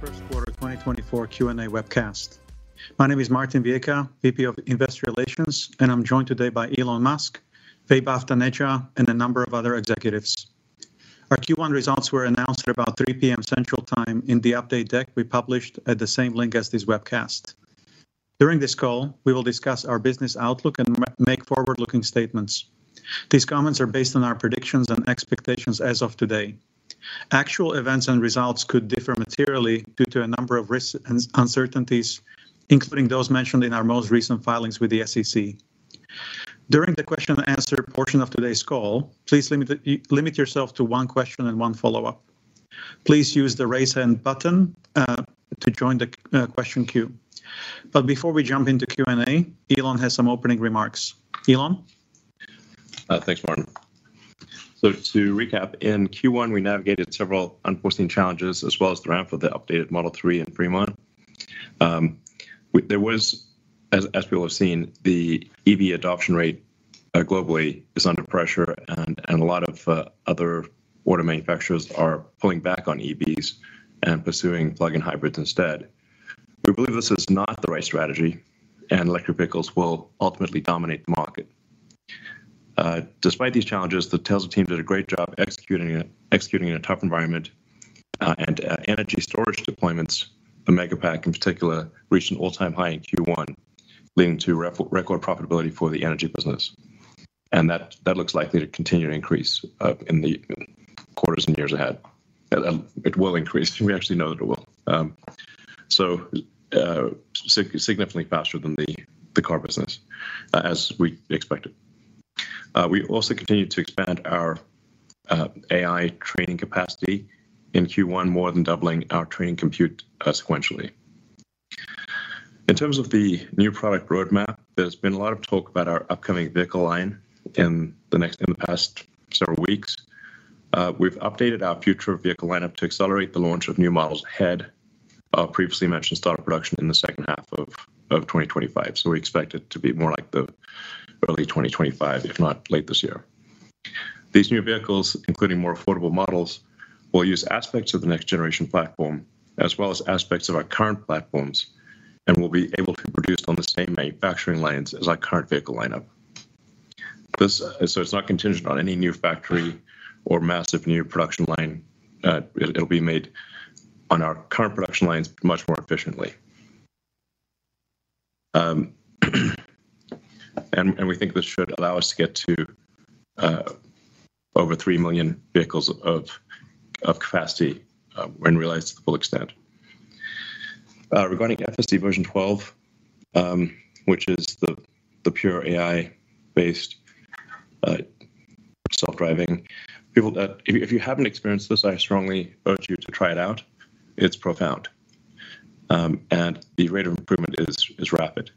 Plus First Quarter 2024 Q&A Webcast. My name is Martin Viecha, VP of Investor Relations, and I'm joined today by Elon Musk, Vaibhav Taneja, and a number of other executives. Our Q1 results were announced at about 3:00 P.M. Central Time in the update deck we published at the same link as this webcast. During this call, we will discuss our business outlook and make forward-looking statements. These comments are based on our predictions and expectations as of today. Actual events and results could differ materially due to a number of risks and uncertainties, including those mentioned in our most recent filings with the SEC. During the question-and-answer portion of today's call, please limit yourself to one question and one follow-up. Please use the raise hand button to join the question queue. But before we jump into Q&A, Elon has some opening remarks. Elon? Thanks, Martin. So to recap, in Q1 we navigated several unforeseen challenges as well as the ramp for the updated Model 3 in Fremont. There was, as people have seen, the EV adoption rate globally is under pressure, and a lot of other auto manufacturers are pulling back on EVs and pursuing plug-in hybrids instead. We believe this is not the right strategy, and electric vehicles will ultimately dominate the market. Despite these challenges, the Tesla team did a great job executing in a tough environment and energy storage deployments. The Megapack, in particular, reached an all-time high in Q1, leading to record profitability for the energy business. And that looks likely to continue to increase in the quarters and years ahead. It will increase. We actually know that it will. So significantly faster than the car business as we expected. We also continue to expand our AI training capacity in Q1, more than doubling our training compute sequentially. In terms of the new product roadmap, there's been a lot of talk about our upcoming vehicle line in the past several weeks. We've updated our future vehicle lineup to accelerate the launch of new models ahead of previously mentioned start of production in the second half of 2025. So we expect it to be more like the early 2025, if not late this year. These new vehicles, including more affordable models, will use aspects of the next generation platform as well as aspects of our current platforms, and will be able to be produced on the same manufacturing lines as our current vehicle lineup. So it's not contingent on any new factory or massive new production line. It'll be made on our current production lines much more efficiently. We think this should allow us to get to over 3 million vehicles of capacity when realized to the full extent. Regarding FSD version 12, which is the pure AI-based self-driving, if you haven't experienced this, I strongly urge you to try it out. It's profound, and the rate of improvement is rapid.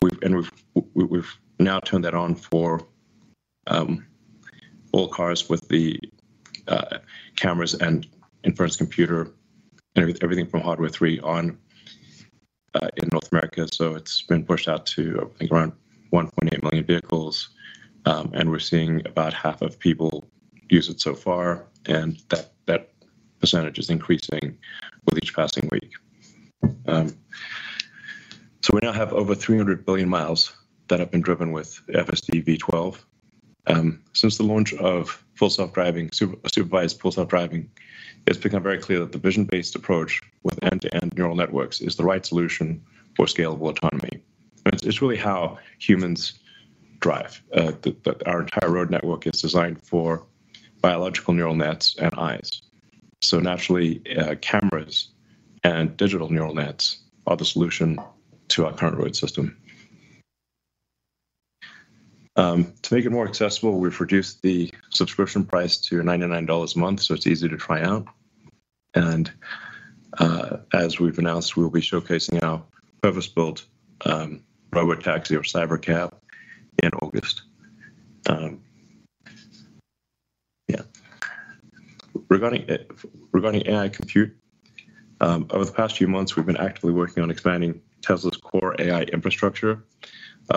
We've now turned that on for all cars with the cameras and inference computer, everything from Hardware 3.0 in North America. It's been pushed out to, I think, around 1.8 million vehicles, and we're seeing about half of people use it so far. That percentage is increasing with each passing week. We now have over 300 billion miles that have been driven with FSD v12. Since the launch of Full Self-Driving, supervised Full Self-Driving, it's become very clear that the vision-based approach with end-to-end neural networks is the right solution for scalable autonomy. It's really how humans drive. Our entire road network is designed for biological neural nets and eyes. So naturally, cameras and digital neural nets are the solution to our current road system. To make it more accessible, we've reduced the subscription price to $99 a month, so it's easy to try out. As we've announced, we will be showcasing our purpose-built Robotaxi or Cybercab in August. Yeah. Regarding AI compute, over the past few months, we've been actively working on expanding Tesla's core AI infrastructure.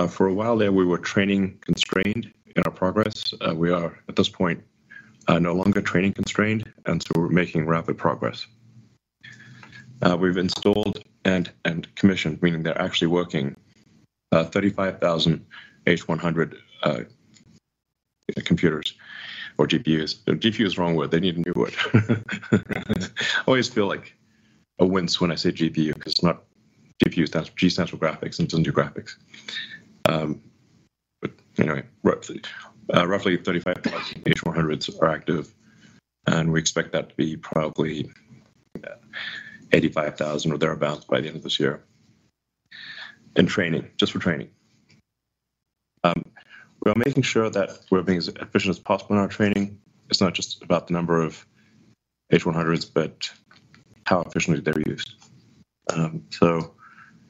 For a while there, we were training constrained in our progress. We are at this point no longer training constrained, and so we're making rapid progress. We've installed and commissioned, meaning they're actually working, 35,000 H100 computers or GPUs. GPU is the wrong word. They need a new word. I always feel like a wince when I say GPU because it's not GPU. It's G stands for Graphics and doesn't do graphics. But anyway, roughly 35,000 H100s are active, and we expect that to be probably 85,000 or thereabouts by the end of this year in training, just for training. We are making sure that we're being as efficient as possible in our training. It's not just about the number of H100s, but how efficiently they're used. So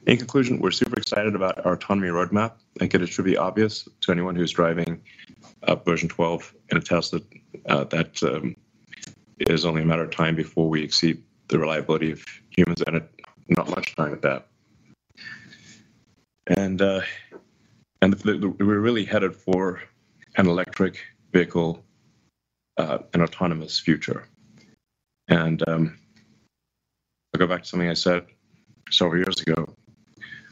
in conclusion, we're super excited about our autonomy roadmap. I think it should be obvious to anyone who's driving version 12 in a Tesla that it is only a matter of time before we exceed the reliability of humans and not much time with that. We're really headed for an electric vehicle, an autonomous future. I'll go back to something I said several years ago,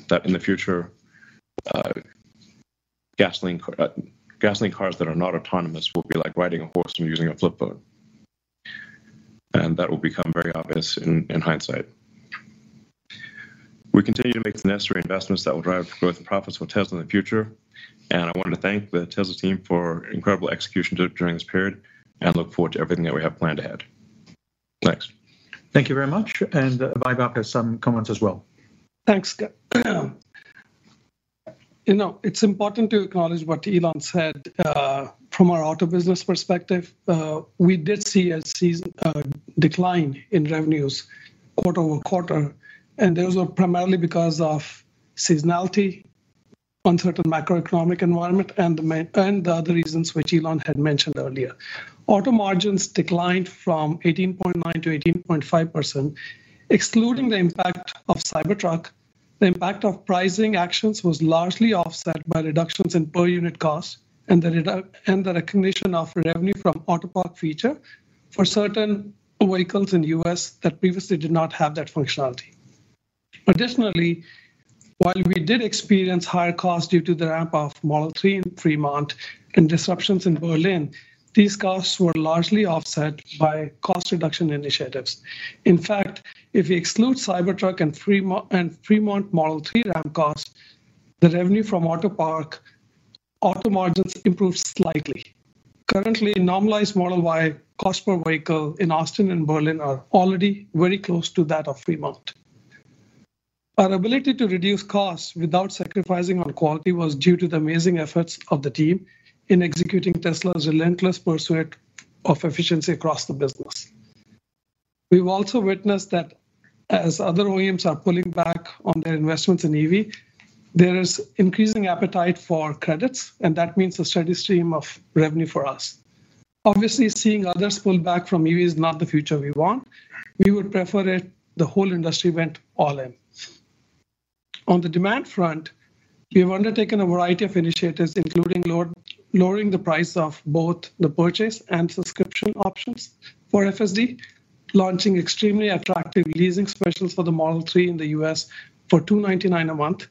that in the future, gasoline cars that are not autonomous will be like riding a horse and using a flip phone. That will become very obvious in hindsight. We continue to make the necessary investments that will drive growth and profits for Tesla in the future. I wanted to thank the Tesla team for incredible execution during this period and look forward to everything that we have planned ahead. Thanks. Thank you very much. Vaibhav has some comments as well. Thanks, Scott. It's important to acknowledge what Elon said. From our auto business perspective, we did see a decline in revenues quarter-over-quarter, and those were primarily because of seasonality, uncertain macroeconomic environment, and the other reasons which Elon had mentioned earlier. Auto margins declined from 18.9%-18.5%. Excluding the impact of Cybertruck, the impact of pricing actions was largely offset by reductions in per unit cost and the recognition of revenue from Autopilot feature for certain vehicles in the U.S. that previously did not have that functionality. Additionally, while we did experience higher costs due to the ramp of Model 3 in Fremont and disruptions in Berlin, these costs were largely offset by cost reduction initiatives. In fact, if we exclude Cybertruck and Fremont Model 3 ramp costs, the revenue from Autopilot auto margins improved slightly. Currently, normalized Model Y cost per vehicle in Austin and Berlin are already very close to that of Fremont. Our ability to reduce costs without sacrificing on quality was due to the amazing efforts of the team in executing Tesla's relentless pursuit of efficiency across the business. We've also witnessed that as other OEMs are pulling back on their investments in EV, there is increasing appetite for credits, and that means a steady stream of revenue for us. Obviously, seeing others pull back from EV is not the future we want. We would prefer it the whole industry went all in. On the demand front, we have undertaken a variety of initiatives, including lowering the price of both the purchase and subscription options for FSD, launching extremely attractive leasing specials for the Model 3 in the U.S. for $299 a month,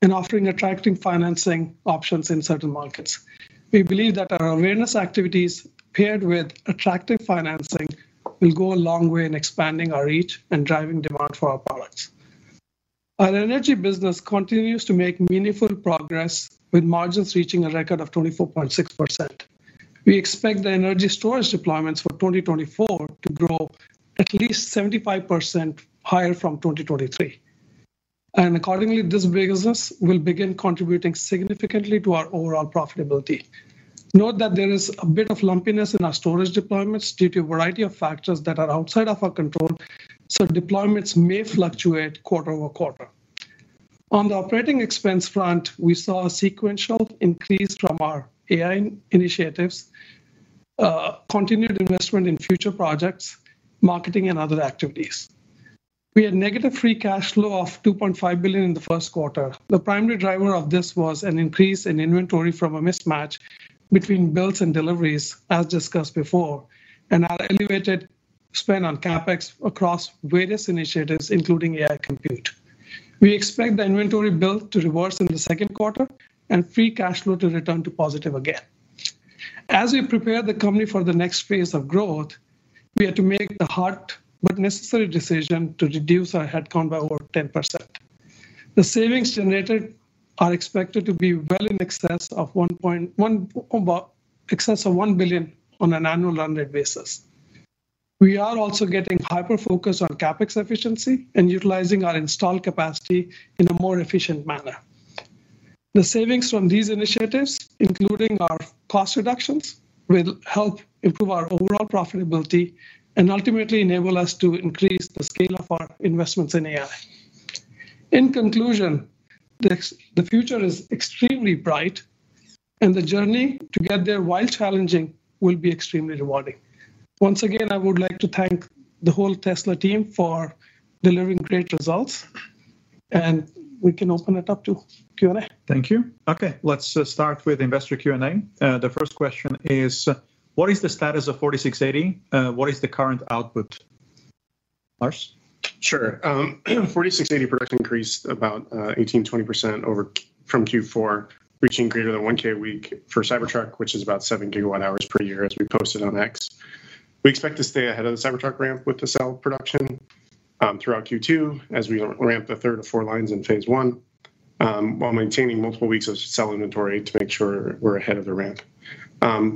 and offering attractive financing options in certain markets. We believe that our awareness activities paired with attractive financing will go a long way in expanding our reach and driving demand for our products. Our energy business continues to make meaningful progress with margins reaching a record of 24.6%. We expect the energy storage deployments for 2024 to grow at least 75% higher from 2023. Accordingly, this business will begin contributing significantly to our overall profitability. Note that there is a bit of lumpiness in our storage deployments due to a variety of factors that are outside of our control, so deployments may fluctuate quarter-over-quarter. On the operating expense front, we saw a sequential increase from our AI initiatives, continued investment in future projects, marketing, and other activities. We had negative free cash flow of $2.5 billion in the first quarter. The primary driver of this was an increase in inventory from a mismatch between builds and deliveries, as discussed before, and our elevated spend on CapEx across various initiatives, including AI compute. We expect the inventory bill to reverse in the second quarter and free cash flow to return to positive again. As we prepare the company for the next phase of growth, we had to make the hard but necessary decision to reduce our headcount by over 10%. The savings generated are expected to be well in excess of $1 billion on an annual run rate basis. We are also getting hyper-focused on CapEx efficiency and utilizing our installed capacity in a more efficient manner. The savings from these initiatives, including our cost reductions, will help improve our overall profitability and ultimately enable us to increase the scale of our investments in AI. In conclusion, the future is extremely bright, and the journey to get there while challenging will be extremely rewarding. Once again, I would like to thank the whole Tesla team for delivering great results, and we can open it up to Q&A. Thank you. Okay, let's start with investor Q&A. The first question is, what is the status of 4680? What is the current output? Lars? Sure. 4680 production increased about 18%-20% from Q4, reaching greater than 1,000 a week for Cybertruck, which is about 7 GWh per year, as we posted on X. We expect to stay ahead of the Cybertruck ramp with the cell production throughout Q2 as we ramp the third of four lines in phase one while maintaining multiple weeks of cell inventory to make sure we're ahead of the ramp.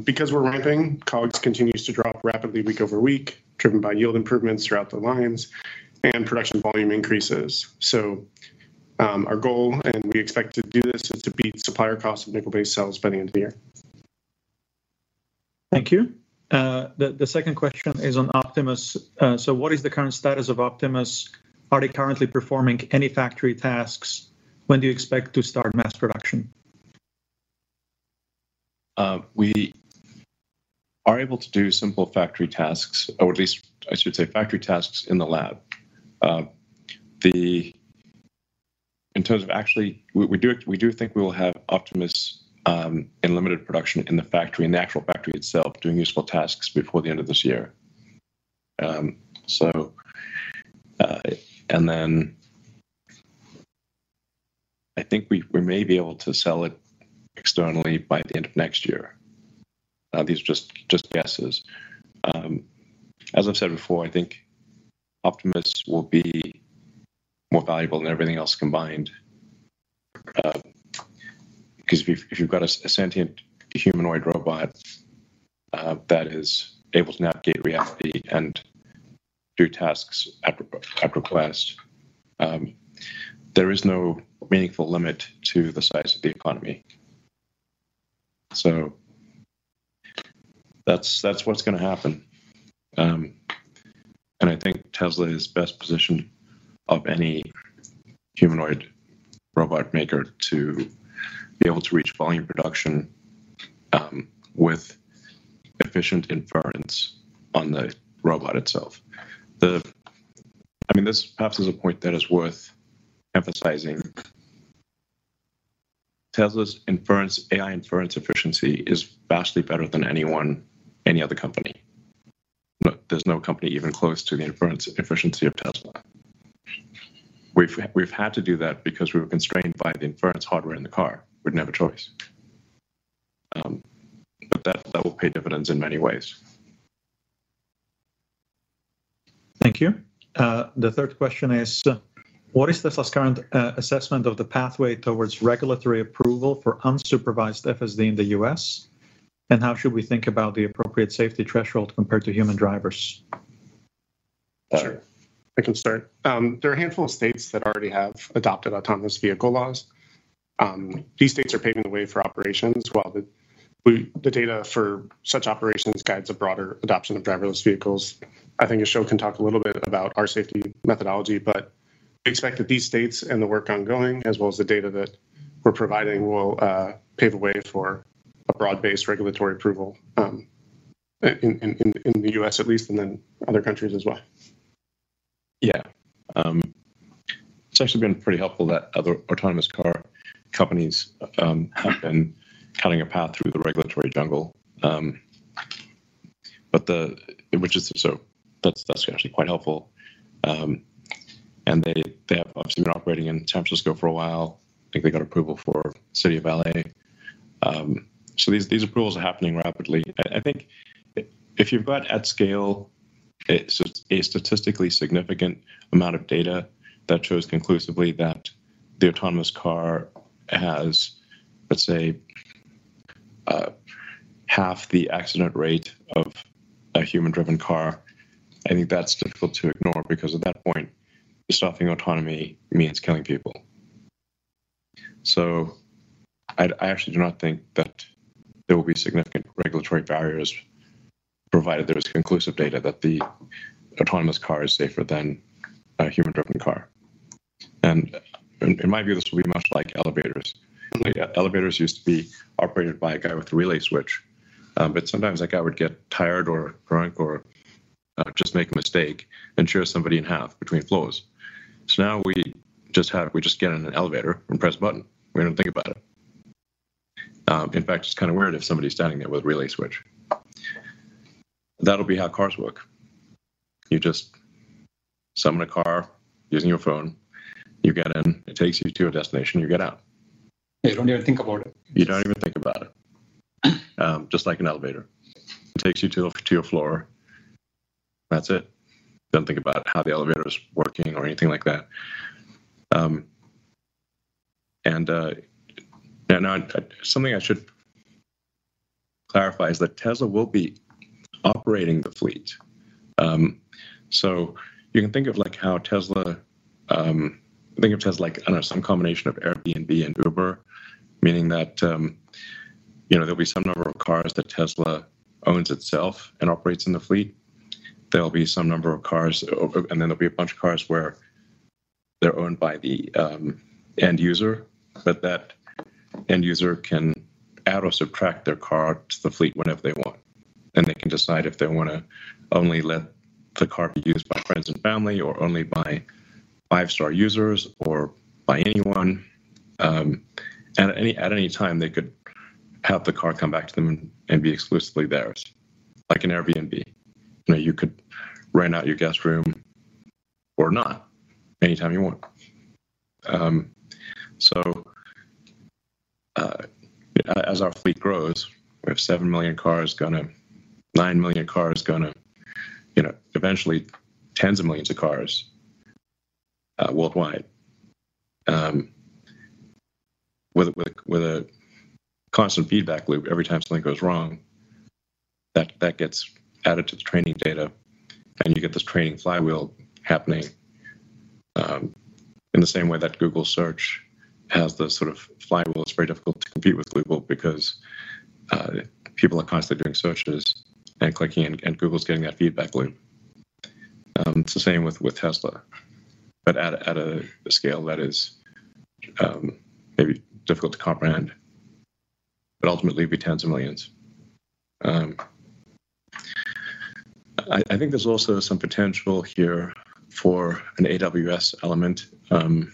Because we're ramping, COGS continues to drop rapidly week-over-week, driven by yield improvements throughout the lines and production volume increases. So our goal, and we expect to do this, is to beat supplier costs of nickel-based cells by the end of the year. Thank you. The second question is on Optimus. So what is the current status of Optimus? Are they currently performing any factory tasks? When do you expect to start mass production? We are able to do simple factory tasks, or at least I should say factory tasks in the lab. In terms of actually, we do think we will have Optimus in limited production in the factory, in the actual factory itself, doing useful tasks before the end of this year. And then I think we may be able to sell it externally by the end of next year. These are just guesses. As I've said before, I think Optimus will be more valuable than everything else combined because if you've got a sentient humanoid robot that is able to navigate reality and do tasks at request, there is no meaningful limit to the size of the economy. So that's what's going to happen. And I think Tesla is best positioned of any humanoid robot maker to be able to reach volume production with efficient inference on the robot itself. I mean, this perhaps is a point that is worth emphasizing. Tesla's AI inference efficiency is vastly better than any other company. There's no company even close to the inference efficiency of Tesla. We've had to do that because we were constrained by the inference hardware in the car. We had no choice. But that will pay dividends in many ways. Thank you. The third question is, what is Tesla's current assessment of the pathway towards regulatory approval for unsupervised FSD in the U.S.? And how should we think about the appropriate safety threshold compared to human drivers? Sure. I can start. There are a handful of states that already have adopted autonomous vehicle laws. These states are paving the way for operations while the data for such operations guides a broader adoption of driverless vehicles. I think Ashok can talk a little bit about our safety methodology, but we expect that these states and the work ongoing, as well as the data that we're providing, will pave the way for a broad-based regulatory approval in the U.S. at least, and then other countries as well. Yeah. It's actually been pretty helpful that other autonomous car companies have been cutting a path through the regulatory jungle, which is so that's actually quite helpful. And they have obviously been operating in San Francisco for a while. I think they got approval for the city of L.A. So these approvals are happening rapidly. I think if you've got at scale a statistically significant amount of data that shows conclusively that the autonomous car has, let's say, half the accident rate of a human-driven car, I think that's difficult to ignore because at that point, stopping autonomy means killing people. So I actually do not think that there will be significant regulatory barriers provided there is conclusive data that the autonomous car is safer than a human-driven car. And in my view, this will be much like elevators. Elevators used to be operated by a guy with a relay switch, but sometimes that guy would get tired or drunk or just make a mistake and shear somebody in half between floors. So now we just get in an elevator and press a button. We don't think about it. In fact, it's kind of weird if somebody's standing there with a relay switch. That'll be how cars work. You just summon a car using your phone. You get in. It takes you to a destination. You get out. You don't even think about it. You don't even think about it, just like an elevator. It takes you to your floor. That's it. Don't think about how the elevator is working or anything like that. And now something I should clarify is that Tesla will be operating the fleet. So you can think of how Tesla think of Tesla like, I don't know, some combination of Airbnb and Uber, meaning that there'll be some number of cars that Tesla owns itself and operates in the fleet. There'll be some number of cars, and then there'll be a bunch of cars where they're owned by the end user, but that end user can add or subtract their car to the fleet whenever they want. And they can decide if they want to only let the car be used by friends and family or only by five-star users or by anyone. At any time, they could have the car come back to them and be exclusively theirs, like an Airbnb. You could rent out your guest room or not anytime you want. So as our fleet grows, we have 7 million cars going to 9 million cars going to eventually tens of millions of cars worldwide. With a constant feedback loop, every time something goes wrong, that gets added to the training data, and you get this training flywheel happening in the same way that Google search has the sort of flywheel. It's very difficult to compete with Google because people are constantly doing searches and clicking, and Google's getting that feedback loop. It's the same with Tesla, but at a scale that is maybe difficult to comprehend. But ultimately, it'd be tens of millions. I think there's also some potential here for an AWS element down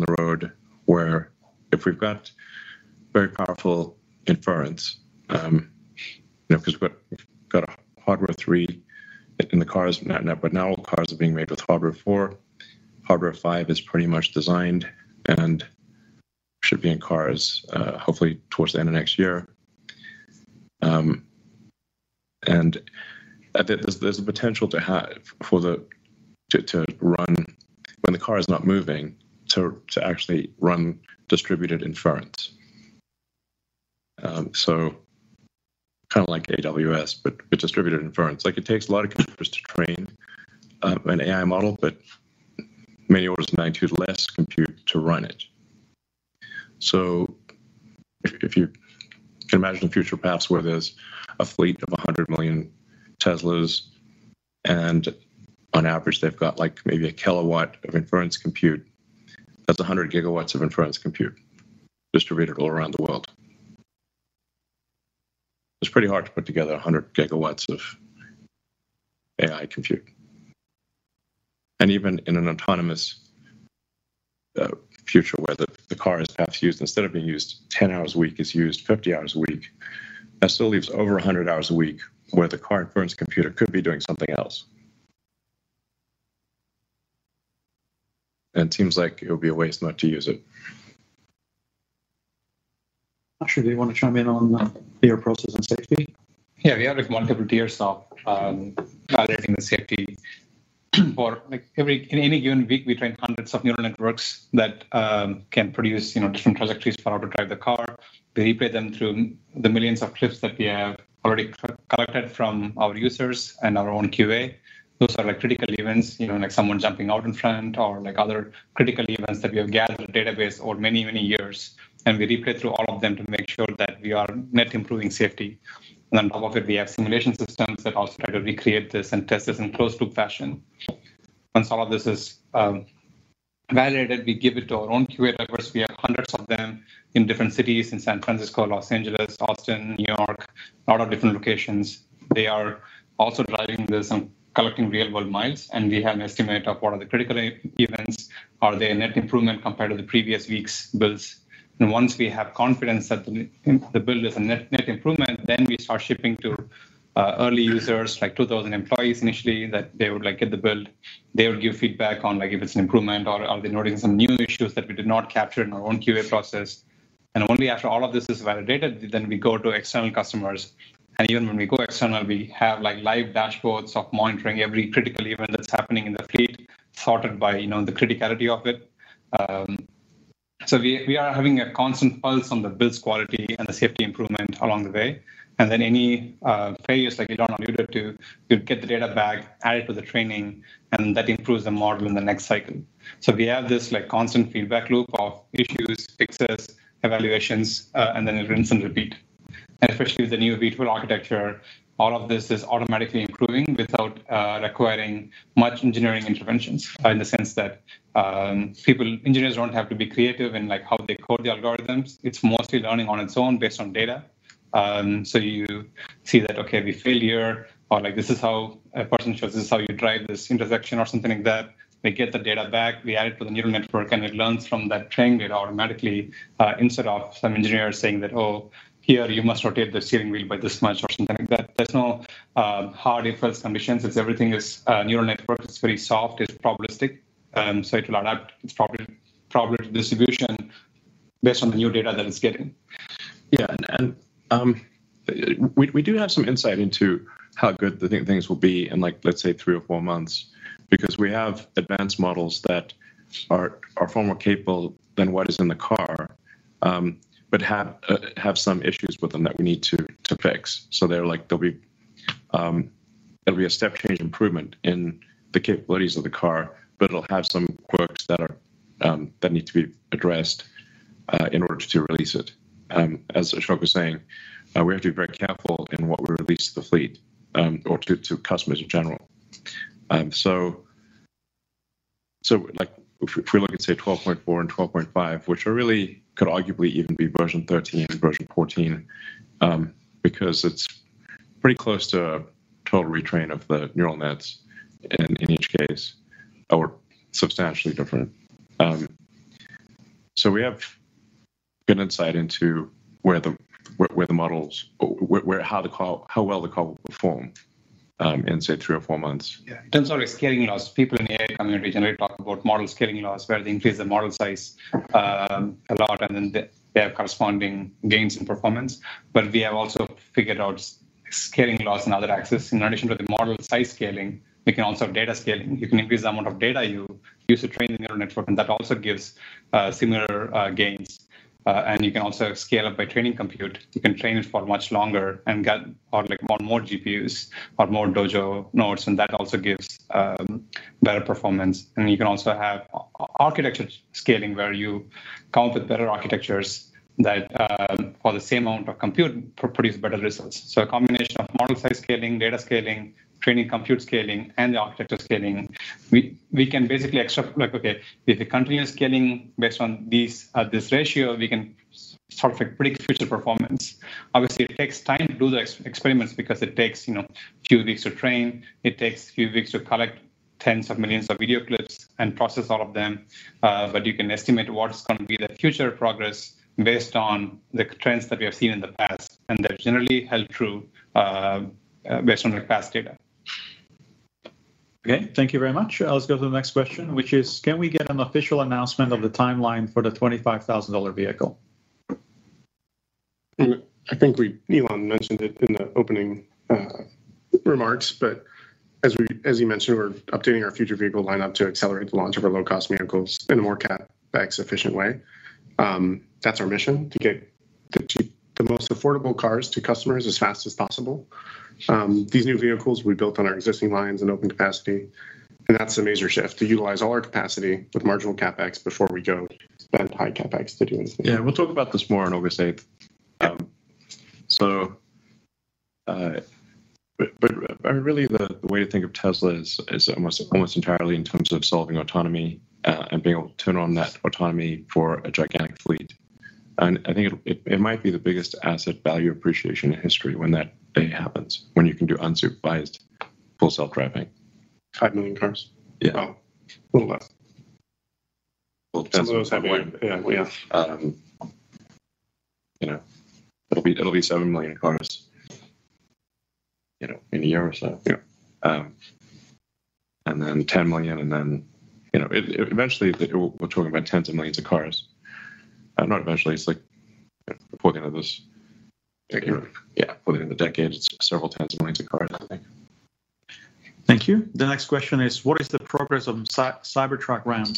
the road where if we've got very powerful inference because we've got a Hardware 3 in the cars, but now all cars are being made with Hardware 4. Hardware 5 is pretty much designed and should be in cars, hopefully, towards the end of next year. And there's a potential to run when the car is not moving to actually run distributed inference, so kind of like AWS, but distributed inference. It takes a lot of computers to train an AI model, but many orders of magnitude less compute to run it. So if you can imagine a future perhaps where there's a fleet of 100 million Teslas, and on average, they've got maybe 1 kW of inference compute, that's 100 GW of inference compute distributed all around the world. It's pretty hard to put together 100 GW of AI compute. Even in an autonomous future where the car is perhaps used instead of being used 10 hours a week, it's used 50 hours a week, that still leaves over 100 hours a week where the car inference computer could be doing something else. It seems like it would be a waste not to use it. Ashok, do you want to chime in on the tier process and safety? Yeah. We added multiple tiers of validating the safety. In any given week, we train hundreds of neural networks that can produce different trajectories for how to drive the car. We replay them through the millions of clips that we have already collected from our users and our own QA. Those are critical events, like someone jumping out in front or other critical events that we have gathered a database over many, many years. And we replay through all of them to make sure that we are net improving safety. And on top of it, we have simulation systems that also try to recreate this and test this in closed-loop fashion. Once all of this is validated, we give it to our own QA drivers. We have hundreds of them in different cities in San Francisco, Los Angeles, Austin, New York, a lot of different locations. They are also driving this and collecting real-world miles. We have an estimate of what are the critical events. Are they a net improvement compared to the previous week's builds? Once we have confidence that the build is a net improvement, then we start shipping to early users, like 2,000 employees initially, that they would get the build. They would give feedback on if it's an improvement or are they noticing some new issues that we did not capture in our own QA process. Only after all of this is validated, then we go to external customers. Even when we go external, we have live dashboards of monitoring every critical event that's happening in the fleet, sorted by the criticality of it. We are having a constant pulse on the build's quality and the safety improvement along the way. And then any failures, like Elon alluded to, you'd get the data back, add it to the training, and that improves the model in the next cycle. So we have this constant feedback loop of issues, fixes, evaluations, and then rinse and repeat. And especially with the new V2 architecture, all of this is automatically improving without requiring much engineering interventions in the sense that engineers don't have to be creative in how they code the algorithms. It's mostly learning on its own based on data. So you see that, okay, we fail here, or this is how a person shows, this is how you drive this intersection or something like that. We get the data back. We add it to the neural network, and it learns from that training data automatically instead of some engineer saying that, oh, here, you must rotate the steering wheel by this much or something like that. There's no hard inference conditions. If everything is a neural network, it's very soft. It's probabilistic. So it will adapt its probability distribution based on the new data that it's getting. Yeah. We do have some insight into how good the things will be in, let's say, three or four months because we have advanced models that are far more capable than what is in the car but have some issues with them that we need to fix. So there'll be a step-change improvement in the capabilities of the car, but it'll have some quirks that need to be addressed in order to release it. As Ashok was saying, we have to be very careful in what we release to the fleet or to customers in general. So if we look at, say, 12.4 and 12.5, which really could arguably even be version 13 and version 14 because it's pretty close to total retrain of the neural nets in each case or substantially different. We have good insight into how well the car will perform in, say, three or four months. Yeah. It turns out there's scaling laws. People in the AI community generally talk about model scaling laws where they increase the model size a lot, and then they have corresponding gains in performance. But we have also figured out scaling laws in other axes. In addition to the model size scaling, we can also have data scaling. You can increase the amount of data you use to train the neural network, and that also gives similar gains. And you can also scale up by training compute. You can train it for much longer or more GPUs or more Dojo nodes, and that also gives better performance. And you can also have architecture scaling where you come up with better architectures that, for the same amount of compute, produce better results. So a combination of model size scaling, data scaling, training compute scaling, and the architecture scaling, we can basically extract, okay, if you continue scaling based on this ratio, we can sort of predict future performance. Obviously, it takes time to do the experiments because it takes a few weeks to train. It takes a few weeks to collect tens of millions of video clips and process all of them. But you can estimate what's going to be the future progress based on the trends that we have seen in the past, and they're generally held true based on past data. Okay. Thank you very much. I'll just go to the next question, which is, can we get an official announcement of the timeline for the $25,000 vehicle? I think Elon mentioned it in the opening remarks, but as he mentioned, we're updating our future vehicle lineup to accelerate the launch of our low-cost vehicles in a more CapEx-efficient way. That's our mission, to get the most affordable cars to customers as fast as possible. These new vehicles, we built on our existing lines in open capacity, and that's a major shift, to utilize all our capacity with marginal CapEx before we go spend high CapEx to do anything. Yeah. We'll talk about this more on August 8th. But really, the way to think of Tesla is almost entirely in terms of solving autonomy and being able to turn on that autonomy for a gigantic fleet. And I think it might be the biggest asset value appreciation in history when that day happens, when you can do unsupervised full self-driving. 5 million cars? Yeah. Wow. A little less. Well, Tesla is having. It'll be 7 million cars in a year or so. And then 10 million, and then eventually, we're talking about tens of millions of cars. Not eventually. It's like before the end of this year. Before the end of the decade, it's several tens of millions of cars, I think. Thank you. The next question is, what is the progress of Cybertruck ramp?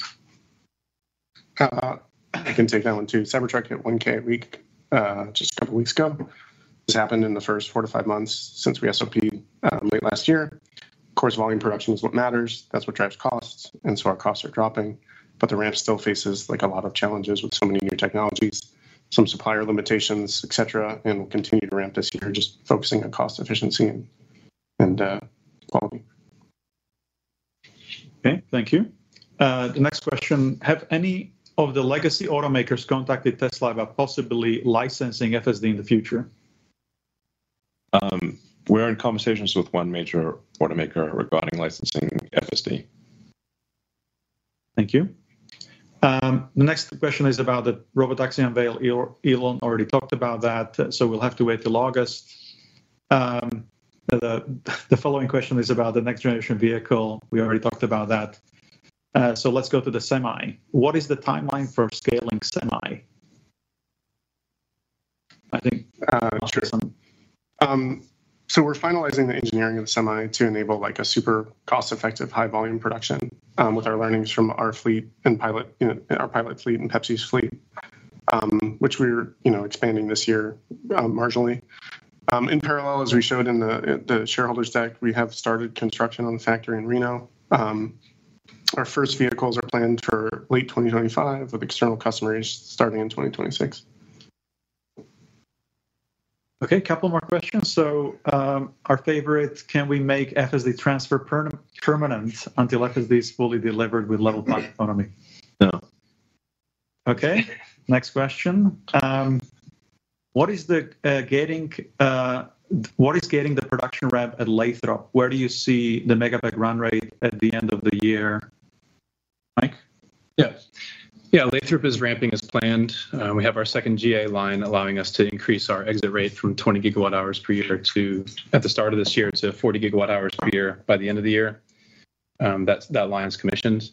I can take that one too. Cybertruck hit 1,000 a week just a couple of weeks ago. This happened in the first four-five months since we SOP'd late last year. Of course, volume production is what matters. That's what drives costs. And so our costs are dropping. But the ramp still faces a lot of challenges with so many new technologies, some supplier limitations, etc., and will continue to ramp this year, just focusing on cost efficiency and quality. Okay. Thank you. The next question, have any of the legacy automakers contacted Tesla about possibly licensing FSD in the future? We're in conversations with one major automaker regarding licensing FSD. Thank you. The next question is about the Robotaxi Unveil. Elon already talked about that, so we'll have to wait till August. The following question is about the next generation vehicle. We already talked about that. So let's go to the Semi. What is the timeline for scaling Semi? I think Ashok. We're finalizing the engineering of the Semi to enable a super cost-effective, high-volume production with our learnings from our fleet and pilot fleet and Pepsi's fleet, which we're expanding this year marginally. In parallel, as we showed in the shareholders' deck, we have started construction on the factory in Reno. Our first vehicles are planned for late 2025 with external customers starting in 2026. Okay. A couple more questions. So our favorite, can we make FSD transfer permanent until FSD is fully delivered with Level 5 autonomy? No. Okay. Next question. What is getting the production ramp at Lathrop? Where do you see the Megapack run rate at the end of the year? Mike? Yeah. Yeah. Lathrop is ramping as planned. We have our second GA line allowing us to increase our exit rate from 20 GWh per year to at the start of this year, it's 40 GWh per year by the end of the year. That line is commissioned.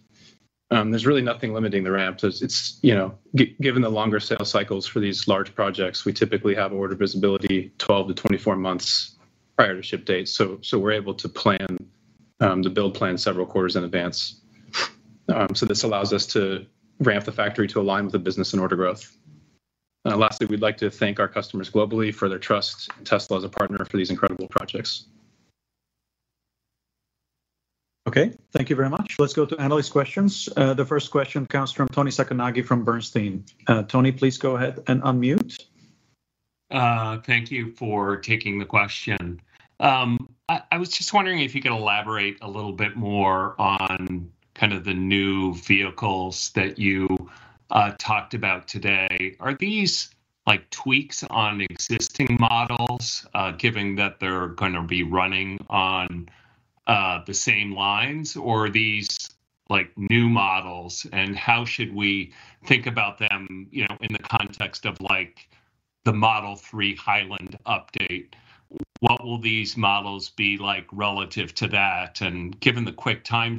There's really nothing limiting the ramp. Given the longer sales cycles for these large projects, we typically have order visibility 12 months-24 months prior to ship date. So we're able to plan the build plan several quarters in advance. So this allows us to ramp the factory to align with the business and order growth. Lastly, we'd like to thank our customers globally for their trust in Tesla as a partner for these incredible projects. Okay. Thank you very much. Let's go to analyst questions. The first question comes from Toni Sacconaghi from Bernstein. Toni, please go ahead and unmute. Thank you for taking the question. I was just wondering if you could elaborate a little bit more on kind of the new vehicles that you talked about today. Are these tweaks on existing models, given that they're going to be running on the same lines, or are these new models, and how should we think about them in the context of the Model 3 Highland update? What will these models be relative to that? And given the quick time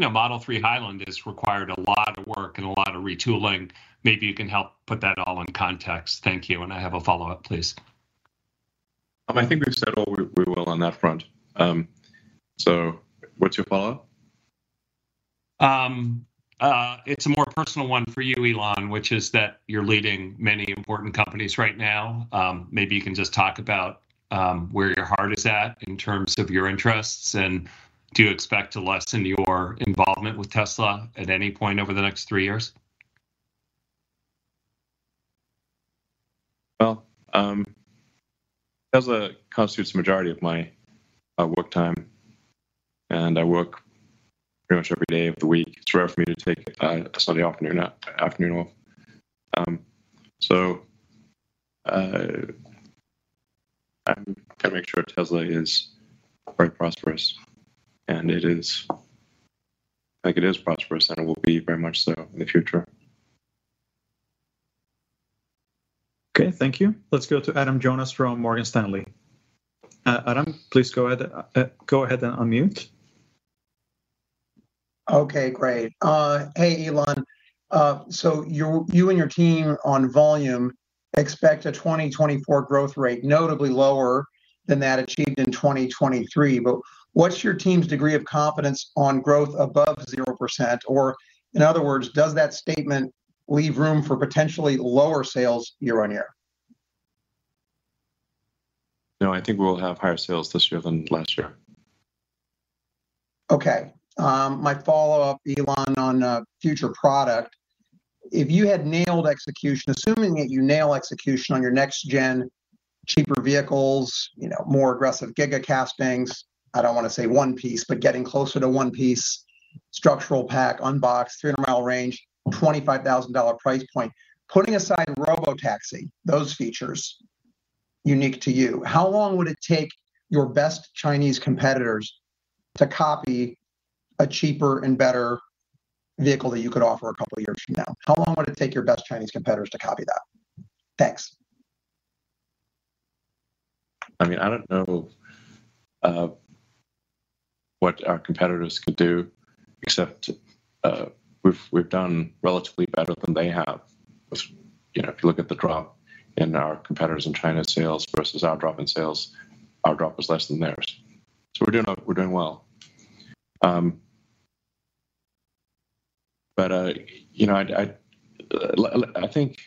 frame, Model 3 Highland has required a lot of work and a lot of retooling. Maybe you can help put that all in context. Thank you. And I have a follow-up, please. I think we've said all we will on that front. So what's your follow-up? It's a more personal one for you, Elon, which is that you're leading many important companies right now. Maybe you can just talk about where your heart is at in terms of your interests and do you expect to lessen your involvement with Tesla at any point over the next three years? Well, Tesla constitutes the majority of my work time, and I work pretty much every day of the week. It's rare for me to take a Sunday afternoon off. So I'm going to make sure Tesla is very prosperous, and it is prosperous, and it will be very much so in the future. Okay. Thank you. Let's go to Adam Jonas from Morgan Stanley. Adam, please go ahead and unmute. Okay. Great. Hey, Elon. So you and your team on volume expect a 2024 growth rate notably lower than that achieved in 2023. But what's your team's degree of confidence on growth above 0%? Or in other words, does that statement leave room for potentially lower sales year-over-year? No. I think we'll have higher sales this year than last year. Okay. My follow-up, Elon, on future product. If you had nailed execution, assuming that you nail execution on your next-gen cheaper vehicles, more aggressive gigacastings, I don't want to say one-piece, but getting closer to one -piece, structural pack, unbox, 300-mi range, $25,000 price point, putting aside Robotaxi, those features unique to you, how long would it take your best Chinese competitors to copy a cheaper and better vehicle that you could offer a couple of years from now? How long would it take your best Chinese competitors to copy that? Thanks. I mean, I don't know what our competitors could do except we've done relatively better than they have. If you look at the drop in our competitors' sales in China versus our drop in sales, our drop was less than theirs. So we're doing well. But I think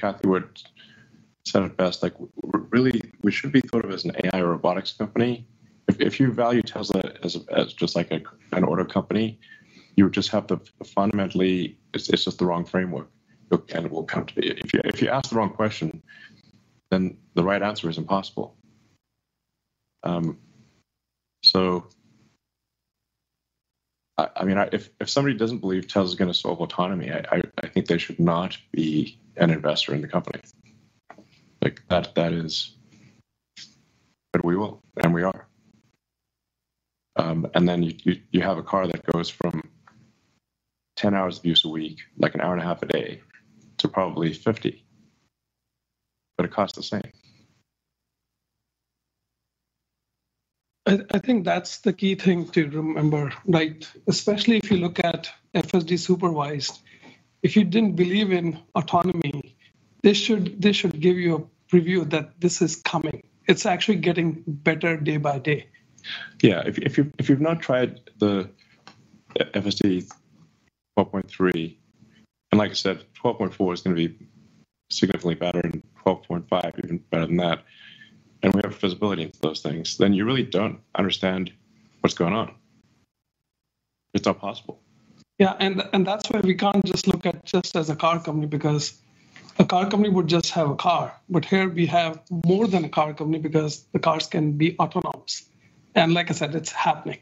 Cathie would say it best. Really, we should be thought of as an AI or robotics company. If you value Tesla as just an auto company, you would just have the fundamentally it's just the wrong framework. It will come to be. If you ask the wrong question, then the right answer is impossible. So I mean, if somebody doesn't believe Tesla is going to solve autonomy, I think they should not be an investor in the company. But we will, and we are. And then you have a car that goes from 10 hours of use a week, like an hour and a half a day, to probably 50, but it costs the same. I think that's the key thing to remember, right? Especially if you look at FSD supervised, if you didn't believe in autonomy, they should give you a preview that this is coming. It's actually getting better day by day. Yeah. If you've not tried the FSD 12.3 and like I said, 12.4 is going to be significantly better and 12.5 even better than that, and we have visibility into those things, then you really don't understand what's going on. It's not possible. Yeah. And that's why we can't just look at just as a car company because a car company would just have a car. But here, we have more than a car company because the cars can be autonomous. And like I said, it's happening.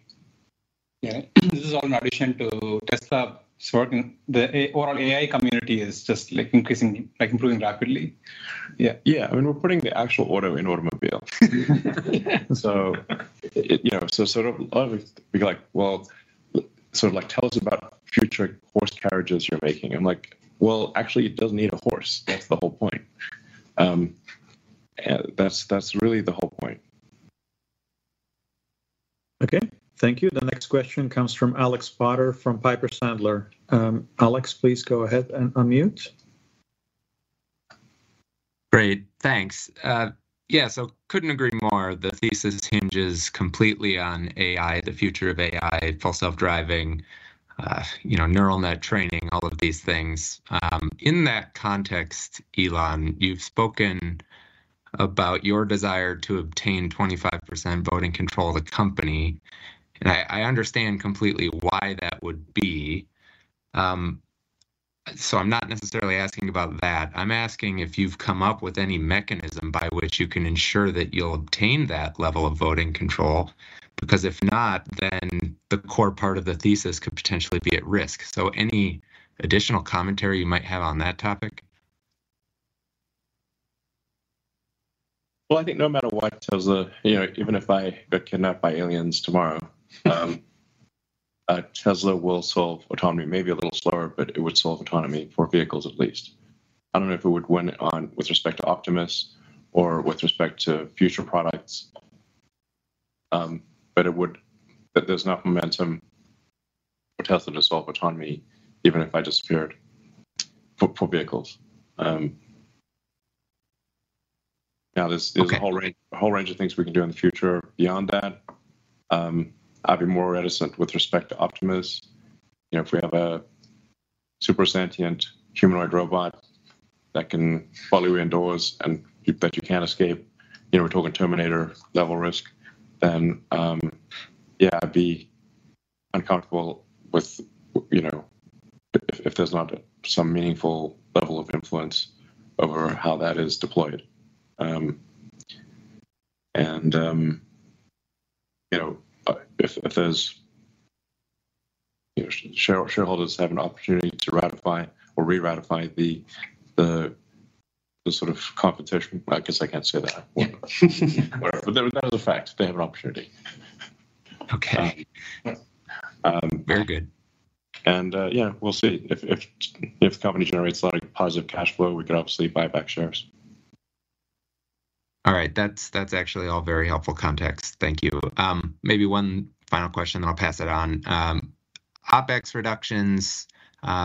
Yeah. This is all in addition to Tesla's working. The overall AI community is just improving rapidly. Yeah. Yeah. I mean, we're putting the actual auto in automobile. So sort of a lot of it would be like, "Well, sort of tell us about future horse carriages you're making." I'm like, "Well, actually, it does need a horse. That's the whole point." That's really the whole point. Okay. Thank you. The next question comes from Alex Potter from Piper Sandler. Alex, please go ahead and unmute. Great. Thanks. Yeah. So couldn't agree more. The thesis hinges completely on AI, the future of AI, full self-driving, neural net training, all of these things. In that context, Elon, you've spoken about your desire to obtain 25% voting control of the company. And I understand completely why that would be. So I'm not necessarily asking about that. I'm asking if you've come up with any mechanism by which you can ensure that you'll obtain that level of voting control. Because if not, then the core part of the thesis could potentially be at risk. So any additional commentary you might have on that topic? Well, I think no matter what, Tesla even if I get kidnapped by aliens tomorrow, Tesla will solve autonomy, maybe a little slower, but it would solve autonomy for vehicles at least. I don't know if it would win with respect to Optimus or with respect to future products, but there's enough momentum for Tesla to solve autonomy even if I disappeared for vehicles. Now, there's a whole range of things we can do in the future beyond that. I'd be more reticent with respect to Optimus. If we have a super sentient humanoid robot that can follow you indoors and that you can't escape - we're talking Terminator-level risk - then yeah, I'd be uncomfortable if there's not some meaningful level of influence over how that is deployed. And if shareholders have an opportunity to ratify or reratify the sort of competition I guess I can't say that. But that is a fact. They have an opportunity. Okay. Very good. Yeah, we'll see. If the company generates a lot of positive cash flow, we could obviously buy back shares. All right. That's actually all very helpful context. Thank you. Maybe one final question, then I'll pass it on. OpEx reductions,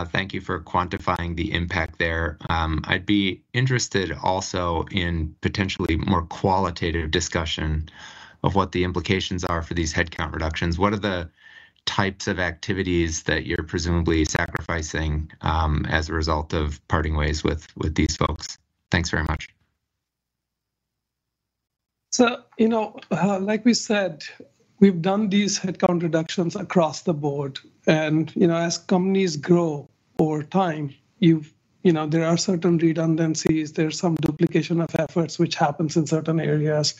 thank you for quantifying the impact there. I'd be interested also in potentially more qualitative discussion of what the implications are for these headcount reductions. What are the types of activities that you're presumably sacrificing as a result of parting ways with these folks? Thanks very much. Like we said, we've done these headcount reductions across the board. As companies grow over time, there are certain redundancies. There's some duplication of efforts, which happens in certain areas.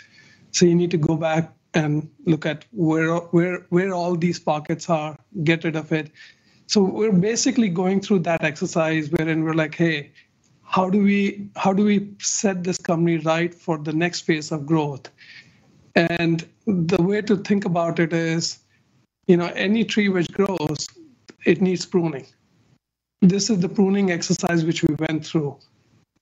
You need to go back and look at where all these pockets are, get rid of it. We're basically going through that exercise wherein we're like, "Hey, how do we set this company right for the next phase of growth?" The way to think about it is any tree which grows, it needs pruning. This is the pruning exercise which we went through.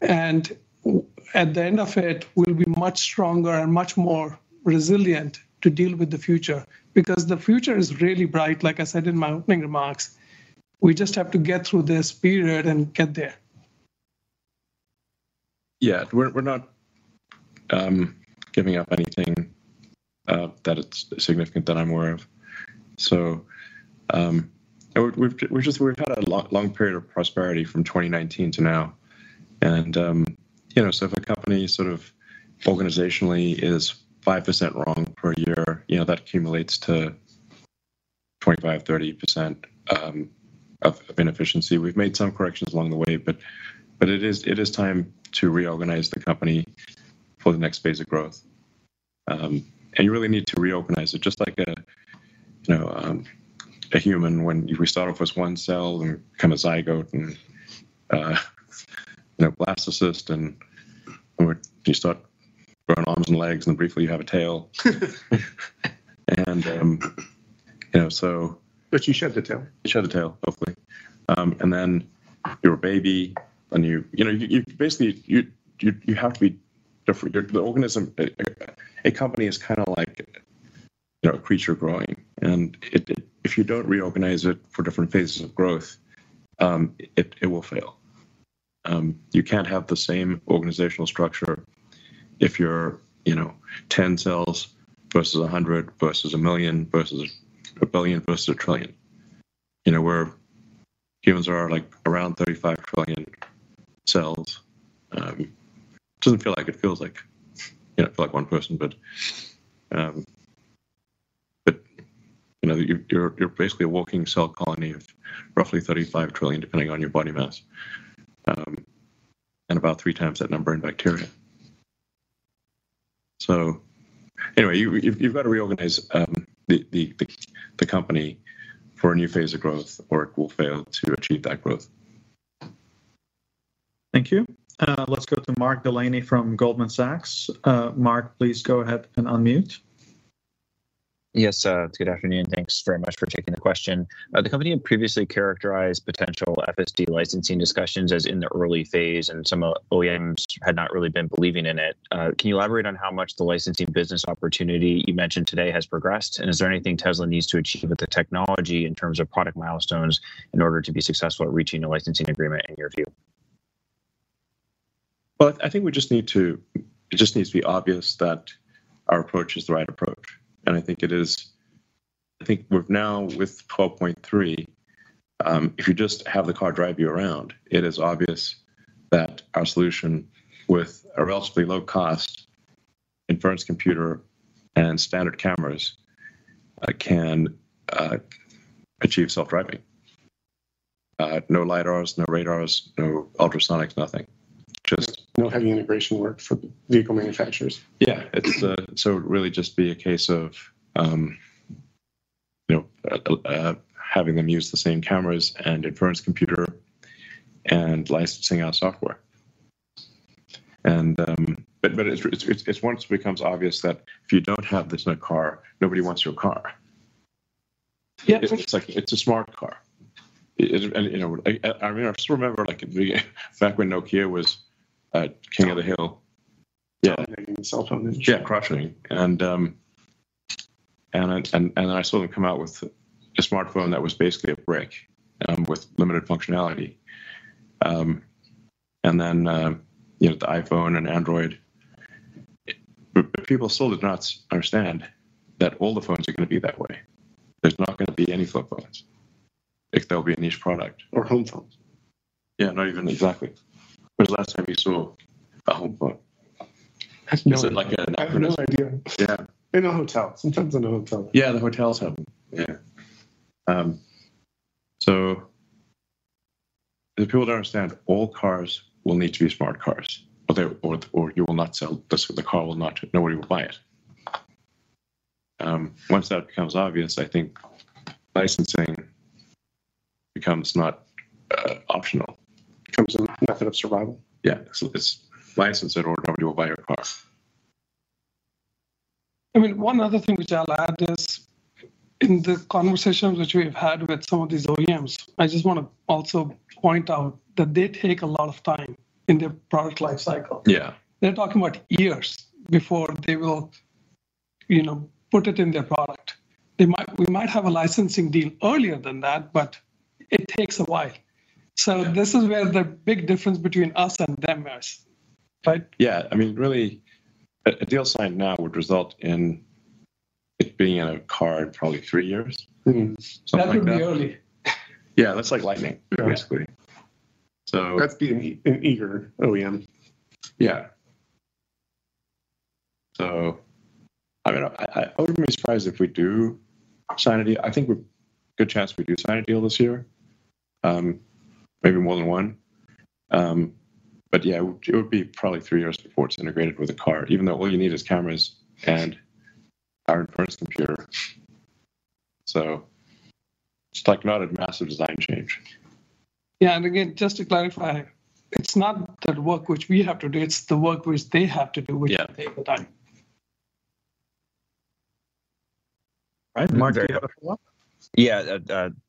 At the end of it, we'll be much stronger and much more resilient to deal with the future because the future is really bright. Like I said in my opening remarks, we just have to get through this period and get there. Yeah. We're not giving up anything that's significant that I'm aware of. So we've had a long period of prosperity from 2019 to now. And so if a company sort of organizationally is 5% wrong per year, that accumulates to 25%-30% of inefficiency. We've made some corrections along the way, but it is time to reorganize the company for the next phase of growth. And you really need to reorganize it just like a human when we start off as one cell and become a zygote and blastocyst, and you start growing arms and legs, and then briefly, you have a tail. And so. But you shed the tail. You shed the tail, hopefully. Then you're a baby, and you basically, you have to be different. A company is kind of like a creature growing. And if you don't reorganize it for different phases of growth, it will fail. You can't have the same organizational structure if you're 10 cells versus 100 versus 1 million versus 1 billion versus 1 trillion, where humans are around 35 trillion cells. It doesn't feel like it feels like one person, but you're basically a walking cell colony of roughly 35 trillion, depending on your body mass and about 3x that number in bacteria. So anyway, you've got to reorganize the company for a new phase of growth, or it will fail to achieve that growth. Thank you. Let's go to Mark Delaney from Goldman Sachs. Mark, please go ahead and unmute. Yes. Good afternoon. Thanks very much for taking the question. The company had previously characterized potential FSD licensing discussions as in the early phase, and some OEMs had not really been believing in it. Can you elaborate on how much the licensing business opportunity you mentioned today has progressed? And is there anything Tesla needs to achieve with the technology in terms of product milestones in order to be successful at reaching a licensing agreement, in your view? Well, I think we just need it just needs to be obvious that our approach is the right approach. And I think it is. I think we're now with 12.3. If you just have the car drive you around, it is obvious that our solution with a relatively low-cost inference computer and standard cameras can achieve self-driving. No LiDARs, no radars, no ultrasonics, nothing. Just. No heavy integration work for vehicle manufacturers. Yeah. It's so it would really just be a case of having them use the same cameras and inference computer and licensing our software. But once it becomes obvious that if you don't have this in a car, nobody wants your car. It's a smart car. I mean, I still remember back when Nokia was king of the hill. Crossing the cell phone industry. Yeah. Crossing. And then I saw them come out with a smartphone that was basically a brick with limited functionality. And then the iPhone and Android, people still did not understand that all the phones are going to be that way. There's not going to be any flip phones if there'll be a niche product. Or home phones. Yeah. Not even exactly. It was the last time you saw a home phone. That's no. Is it like an acronym? I have no idea. In a hotel. Sometimes in a hotel. Yeah. The hotels have them. Yeah. So people don't understand all cars will need to be smart cars, or you will not sell the car. Will not. Nobody will buy it. Once that becomes obvious, I think licensing becomes not optional. Becomes a method of survival. Yeah. It's licensed in order to buy your car. I mean, one other thing which I'll add is in the conversations which we've had with some of these OEMs, I just want to also point out that they take a lot of time in their product lifecycle. They're talking about years before they will put it in their product. We might have a licensing deal earlier than that, but it takes a while. So this is where the big difference between us and them is, right? Yeah. I mean, really, a deal signed now would result in it being in a car in probably three years. That would be early. Yeah. That's like lightning, basically. That's being an eager OEM. Yeah. So I mean, I wouldn't be surprised if we do sign a deal. I think there's a good chance we do sign a deal this year, maybe more than one. But yeah, it would be probably three years before it's integrated with a car, even though all you need is cameras and our inference computer. So it's not a massive design change. Yeah. And again, just to clarify, it's not the work which we have to do. It's the work which they have to do, which will take the time. Right. Mark, do you have a follow-up? Yeah.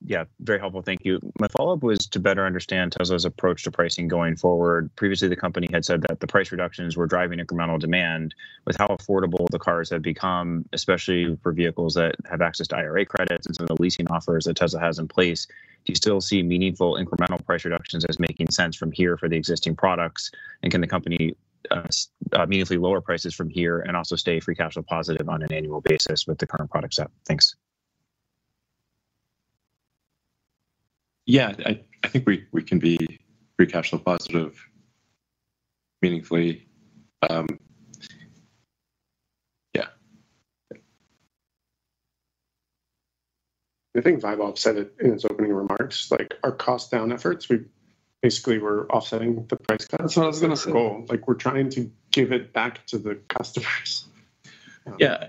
Yeah. Very helpful. Thank you. My follow-up was to better understand Tesla's approach to pricing going forward. Previously, the company had said that the price reductions were driving incremental demand. With how affordable the cars have become, especially for vehicles that have access to IRA credits and some of the leasing offers that Tesla has in place, do you still see meaningful incremental price reductions as making sense from here for the existing products? And can the company meaningfully lower prices from here and also stay free cash flow positive on an annual basis with the current product set? Thanks. Yeah. I think we can be free cash flow positive meaningfully. Yeah. I think Vaibhav said it in his opening remarks. Our cost-down efforts, basically, we're offsetting the price cuts. That's what I was going to say. That's the goal. We're trying to give it back to the customers. Yeah.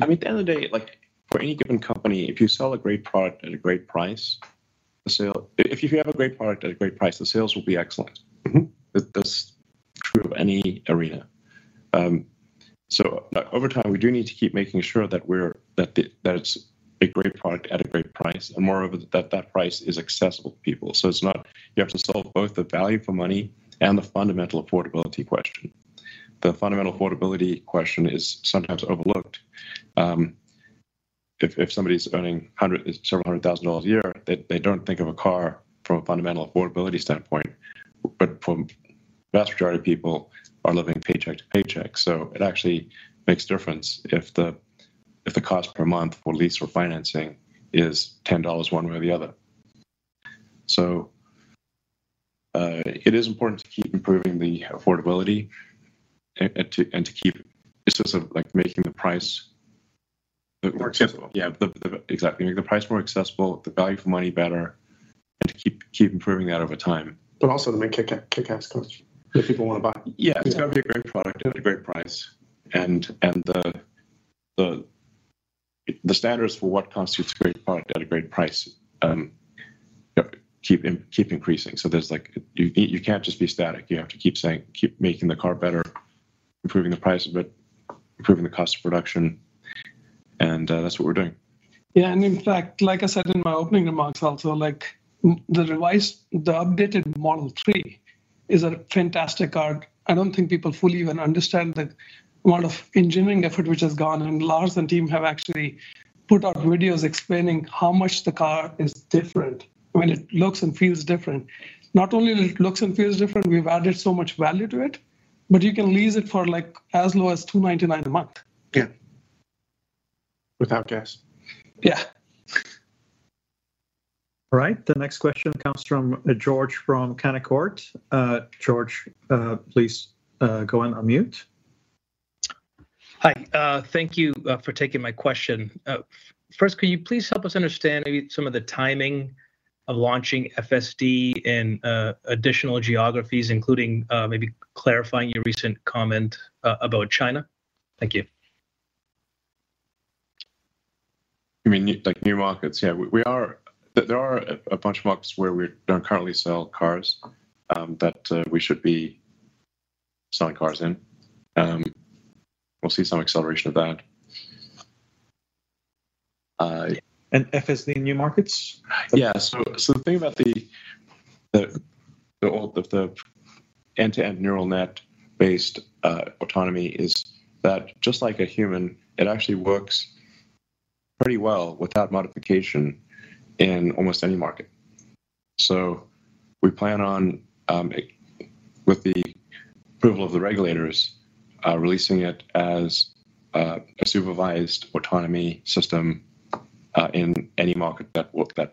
I mean, at the end of the day, for any given company, if you sell a great product at a great price, the sale if you have a great product at a great price, the sales will be excellent. That's true of any arena. So over time, we do need to keep making sure that it's a great product at a great price and, moreover, that that price is accessible to people. So it's not, you have to solve both the value for money and the fundamental affordability question. The fundamental affordability question is sometimes overlooked. If somebody's earning several hundred thousand dollars a year, they don't think of a car from a fundamental affordability standpoint. But for the vast majority of people, they're living paycheck to paycheck. So it actually makes a difference if the cost per month for lease or financing is $10 one way or the other. So it is important to keep improving the affordability and to keep it. It's just like making the price more accessible. More accessible. Yeah. Exactly. Make the price more accessible, the value for money better, and keep improving that over time. But also to make kick-ass cars that people want to buy. Yeah. It's got to be a great product at a great price. And the standards for what constitutes a great product at a great price keep increasing. So you can't just be static. You have to keep making the car better, improving the price, but improving the cost of production. And that's what we're doing. Yeah. In fact, like I said in my opening remarks also, the updated Model 3 is a fantastic car. I don't think people fully even understand the amount of engineering effort which has gone. Lars and team have actually put out videos explaining how much the car is different. I mean, it looks and feels different. Not only does it look and feel different, we've added so much value to it, but you can lease it for as low as $299 a month. Yeah. Without gas. Yeah. All right. The next question comes from George from Canaccord. George, please go on unmute. Hi. Thank you for taking my question. First, could you please help us understand maybe some of the timing of launching FSD in additional geographies, including maybe clarifying your recent comment about China? Thank you. I mean, new markets. Yeah. There are a bunch of markets where we don't currently sell cars that we should be selling cars in. We'll see some acceleration of that. FSD in new markets? Yeah. So the thing about the end-to-end neural net-based autonomy is that, just like a human, it actually works pretty well without modification in almost any market. So we plan on, with the approval of the regulators, releasing it as a supervised autonomy system in any market where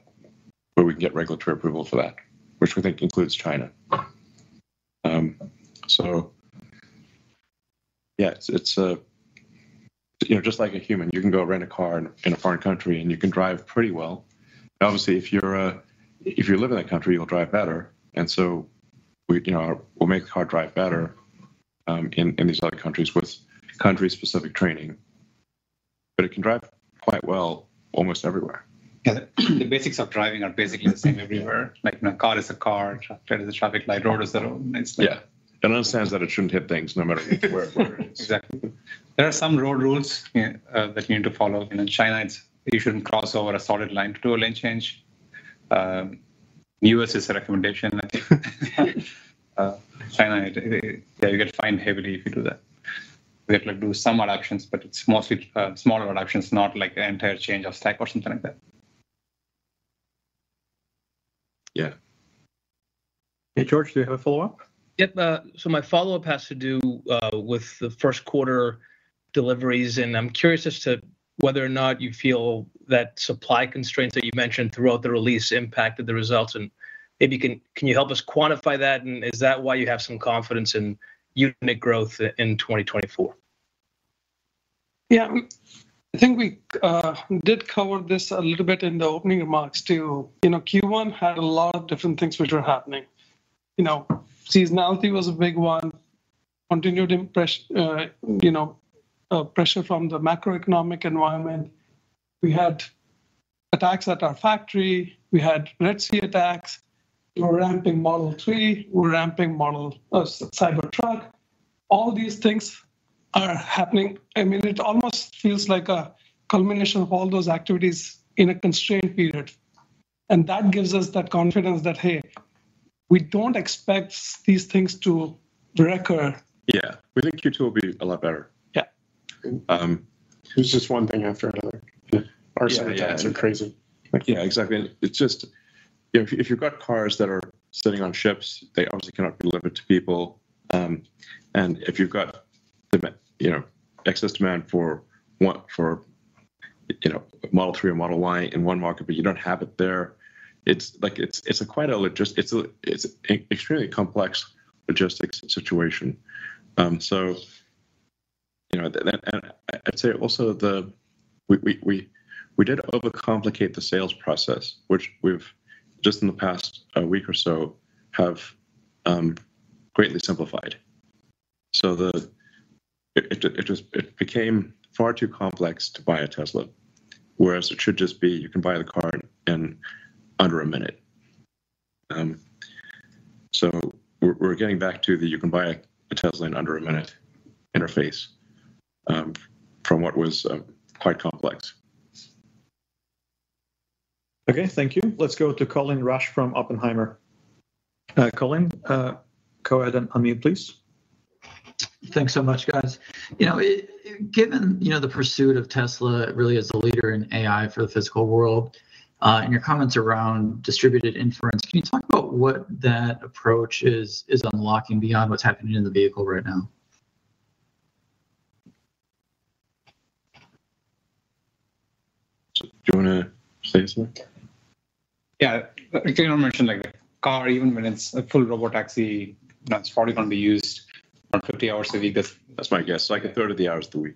we can get regulatory approval for that, which we think includes China. So yeah, just like a human, you can go rent a car in a foreign country, and you can drive pretty well. Obviously, if you're living in that country, you'll drive better. And so we'll make the car drive better in these other countries with country-specific training. But it can drive quite well almost everywhere. Yeah. The basics of driving are basically the same everywhere. Car is a car. Traffic light is a traffic light. Road is a road. Yeah. And it understands that it shouldn't hit things no matter where it is. Exactly. There are some road rules that you need to follow. In China, you shouldn't cross over a solid line to do a lane change. The U.S. has a recommendation, I think. Yeah. You get fined heavily if you do that. You have to do some adaptations, but it's mostly smaller adaptations, not an entire change of stack or something like that. Yeah. Hey, George, do you have a follow-up? Yep. So my follow-up has to do with the first-quarter deliveries. I'm curious as to whether or not you feel that supply constraints that you mentioned throughout the release impacted the results. Maybe can you help us quantify that? Is that why you have some confidence in unit growth in 2024? Yeah. I think we did cover this a little bit in the opening remarks, too. Q1 had a lot of different things which were happening. Seasonality was a big one, continued pressure from the macroeconomic environment. We had attacks at our factory. We had Red Sea attacks. We were ramping Model 3. We were ramping Cybertruck. All these things are happening. I mean, it almost feels like a culmination of all those activities in a constrained period. And that gives us that confidence that, hey, we don't expect these things to recur. Yeah. We think Q2 will be a lot better. Yeah. It's just one thing after another. Our Semi trucks are crazy. Yeah. Exactly. And it's just if you've got cars that are sitting on ships, they obviously cannot be delivered to people. And if you've got excess demand for Model 3 or Model Y in one market, but you don't have it there, it's quite an extremely complex logistics situation. And I'd say also we did overcomplicate the sales process, which we've, just in the past week or so, greatly simplified. So it became far too complex to buy a Tesla, whereas it should just be you can buy the car in under a minute. So we're getting back to the you can buy a Tesla in under a minute interface from what was quite complex. Okay. Thank you. Let's go to Colin Rusch from Oppenheimer. Colin, go ahead and unmute, please. Thanks so much, guys. Given the pursuit of Tesla, it really is a leader in AI for the physical world. In your comments around distributed inference, can you talk about what that approach is unlocking beyond what's happening in the vehicle right now? Do you want to say something? Yeah. I think I want to mention the car, even when it's a full robotaxi, it's probably going to be used around 50 hours a week. That's my guess. Like a third of the hours of the week.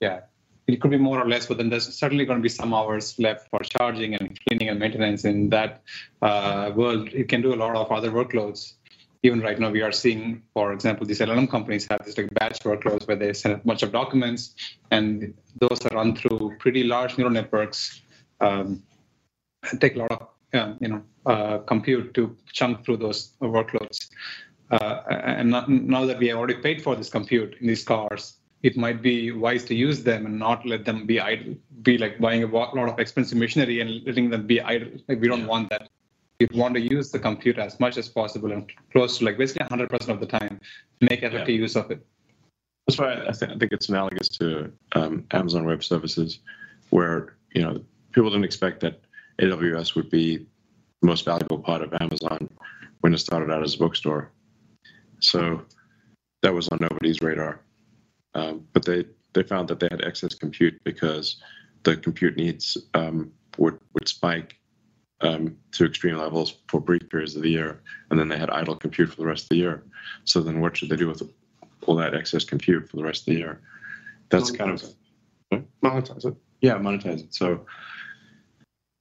Yeah. It could be more or less, but then there's certainly going to be some hours left for charging and cleaning and maintenance. In that world, it can do a lot of other workloads. Even right now, we are seeing, for example, these LLM companies have these batch workloads where they send a bunch of documents, and those are run through pretty large neural networks. They take a lot of compute to chunk through those workloads. And now that we have already paid for this compute in these cars, it might be wise to use them and not let them be buying a lot of expensive machinery and letting them be idle. We don't want that. We want to use the compute as much as possible and close to basically 100% of the time, make every use of it. That's why I think it's analogous to Amazon Web Services, where people didn't expect that AWS would be the most valuable part of Amazon when it started out as a bookstore. So that was on nobody's radar. But they found that they had excess compute because the compute needs would spike to extreme levels for brief periods of the year, and then they had idle compute for the rest of the year. So then what should they do with all that excess compute for the rest of the year? That's kind of. Monetize it. Yeah. Monetize it. So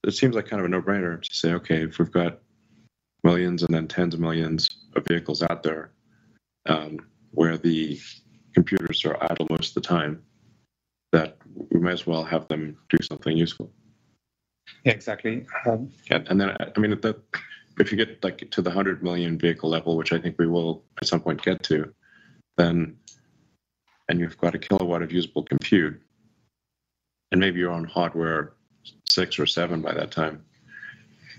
it seems like kind of a no-brainer to say, "Okay. If we've got millions and then tens of millions of vehicles out there where the computers are idle most of the time, we might as well have them do something useful. Yeah. Exactly. And then, I mean, if you get to the 100 million vehicle level, which I think we will at some point get to, then. And you've got a kilowatt of usable compute, and maybe you're on Hardware 6 or 7 by that time,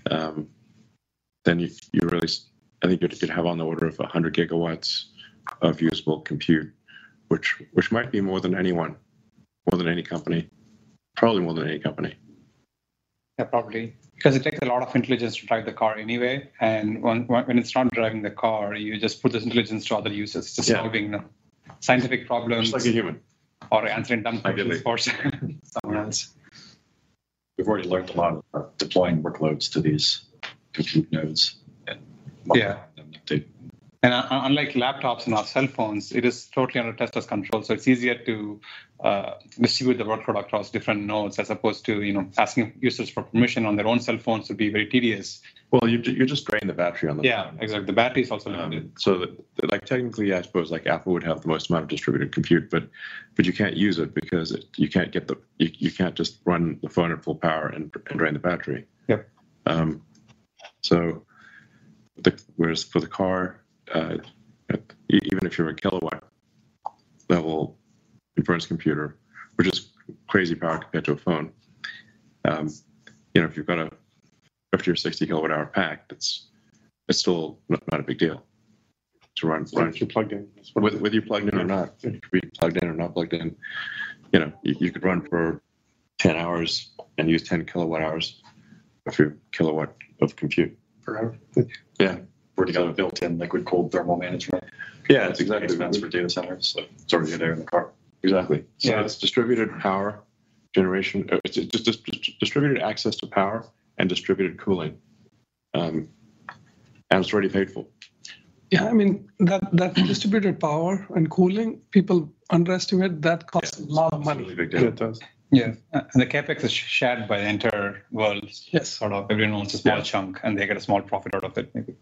then I think you'd have on the order of 100 GW of usable compute, which might be more than anyone, more than any company, probably more than any company. Yeah. Probably. Because it takes a lot of intelligence to drive the car anyway. And when it's not driving the car, you just put this intelligence to other uses, just solving the scientific problems. Just like a human. Or answering dumb questions for someone else. We've already learned a lot about deploying workloads to these compute nodes and updating. Yeah. Unlike laptops and our cell phones, it is totally under Tesla's control. So it's easier to distribute the workload across different nodes as opposed to asking users for permission on their own cell phones would be very tedious. Well, you're just draining the battery on the phone. Yeah. Exactly. The battery is also limited. Technically, I suppose Apple would have the most amount of distributed compute, but you can't use it because you can't just run the phone at full power and drain the battery. Whereas for the car, even if you're a kilowatt-level inference computer, which is crazy power compared to a phone, if you've got a 50-kWh or 60-kWh pack, it's still not a big deal to run. With you plugged in. With you plugged in or not, it could be plugged in or not plugged in. You could run for 10 hours and use 10 kWh of your kilowatt of compute. Forever. Yeah. Works together built-in, liquid-cooled thermal management. Yeah. It's exactly. Events for data centers. So it's already there in the car. Exactly. So it's distributed power generation. It's just distributed access to power and distributed cooling. And it's already paid for. Yeah. I mean, that distributed power and cooling, people underestimate that costs a lot of money. That's a really big deal. Yeah. The CapEx is shared by the entire world. Sort of everyone owns a small chunk, and they get a small profit out of it maybe.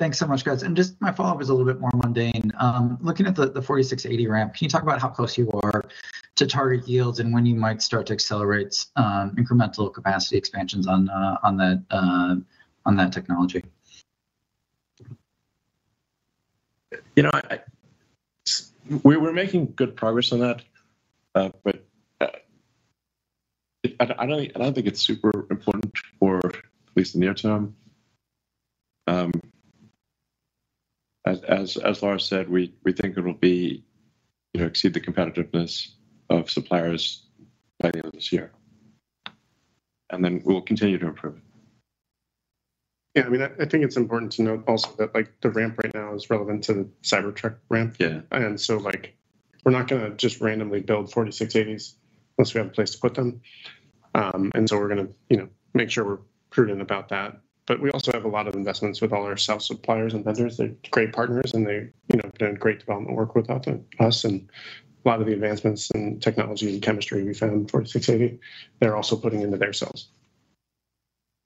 Yeah. Thanks so much, guys. Just my follow-up is a little bit more mundane. Looking at the 4680 ramp, can you talk about how close you are to target yields and when you might start to accelerate incremental capacity expansions on that technology? We're making good progress on that, but I don't think it's super important for at least the near term. As Lars said, we think it'll exceed the competitiveness of suppliers by the end of this year. Then we'll continue to improve it. Yeah. I mean, I think it's important to note also that the ramp right now is relevant to the Cybertruck ramp. And so we're not going to just randomly build 4680s unless we have a place to put them. And so we're going to make sure we're prudent about that. But we also have a lot of investments with all our cell suppliers and vendors. They're great partners, and they've done great development work without us. And a lot of the advancements in technology and chemistry we found in 4680, they're also putting into their cells.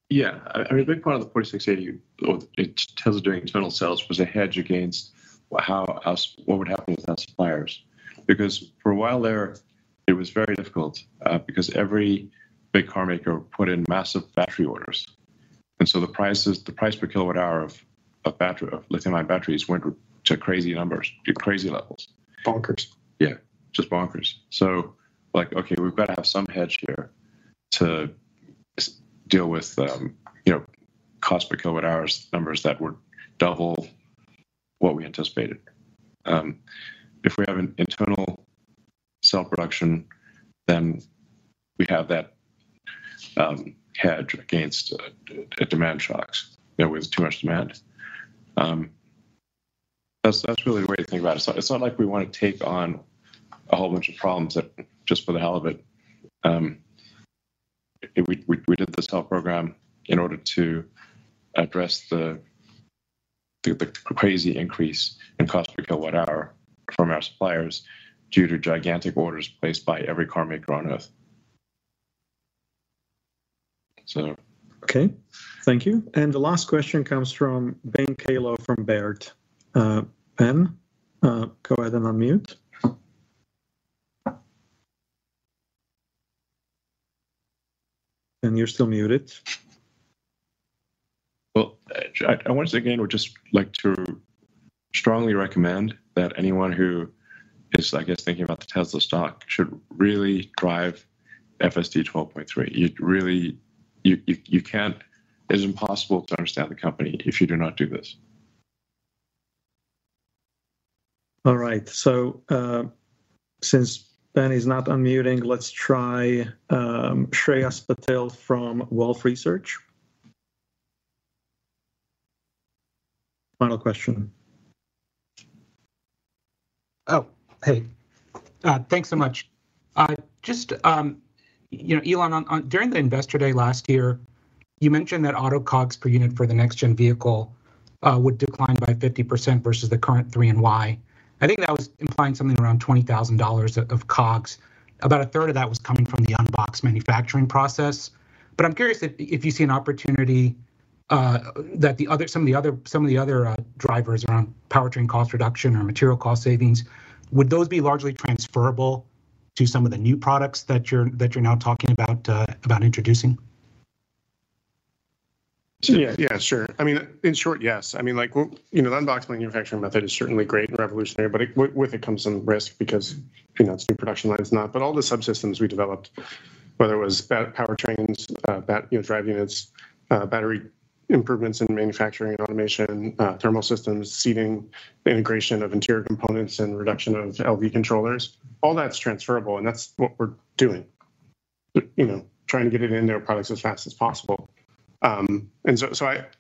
Yeah. I mean, a big part of the 4680, Tesla doing internal cells, was a hedge against what would happen with our suppliers. Because for a while there, it was very difficult because every big car maker put in massive battery orders. And so the price per kilowatt-hour of lithium-ion batteries went to crazy numbers, to crazy levels. Bonkers. Yeah. Just bonkers. So like, "Okay. We've got to have some hedge here to deal with cost per kilowatt-hours numbers that would double what we anticipated." If we have an internal cell production, then we have that hedge against demand shocks when there's too much demand. That's really the way to think about it. It's not like we want to take on a whole bunch of problems just for the hell of it. We did this cell program in order to address the crazy increase in cost per kilowatt-hour from our suppliers due to gigantic orders placed by every car maker on Earth. So. Okay. Thank you. The last question comes from Ben Kallo from Baird. Ben, go ahead and unmute. You're still muted. Well, once again, we'd just like to strongly recommend that anyone who is, I guess, thinking about the Tesla stock should really drive FSD 12.3. It's impossible to understand the company if you do not do this. All right. So since Ben is not unmuting, let's try Shreyas Patil from Wolfe Research. Final question. Oh. Hey. Thanks so much. Just Elon, during the Investor Day last year, you mentioned that auto COGS per unit for the next-gen vehicle would decline by 50% versus the current 3 and Y. I think that was implying something around $20,000 of COGS. About a third of that was coming from the Unboxed manufacturing process. But I'm curious if you see an opportunity that some of the other drivers around powertrain cost reduction or material cost savings, would those be largely transferable to some of the new products that you're now talking about introducing? Yeah. Yeah. Sure. I mean, in short, yes. I mean, the Unboxed manufacturing method is certainly great and revolutionary, but with it comes some risk because it's new production lines, not. But all the subsystems we developed, whether it was powertrains, drive units, battery improvements in manufacturing and automation, thermal systems, seating, integration of interior components, and reduction of LV controllers, all that's transferable. And that's what we're doing, trying to get it in their products as fast as possible. And so,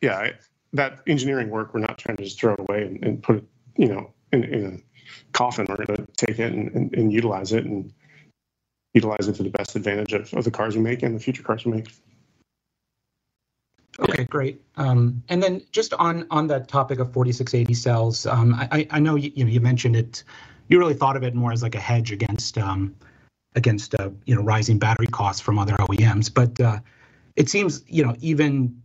yeah, that engineering work, we're not trying to just throw it away and put it in a coffin. We're going to take it and utilize it and utilize it to the best advantage of the cars we make and the future cars we make. Okay. Great. And then just on that topic of 4680 cells, I know you mentioned it. You really thought of it more as a hedge against rising battery costs from other OEMs. But it seems even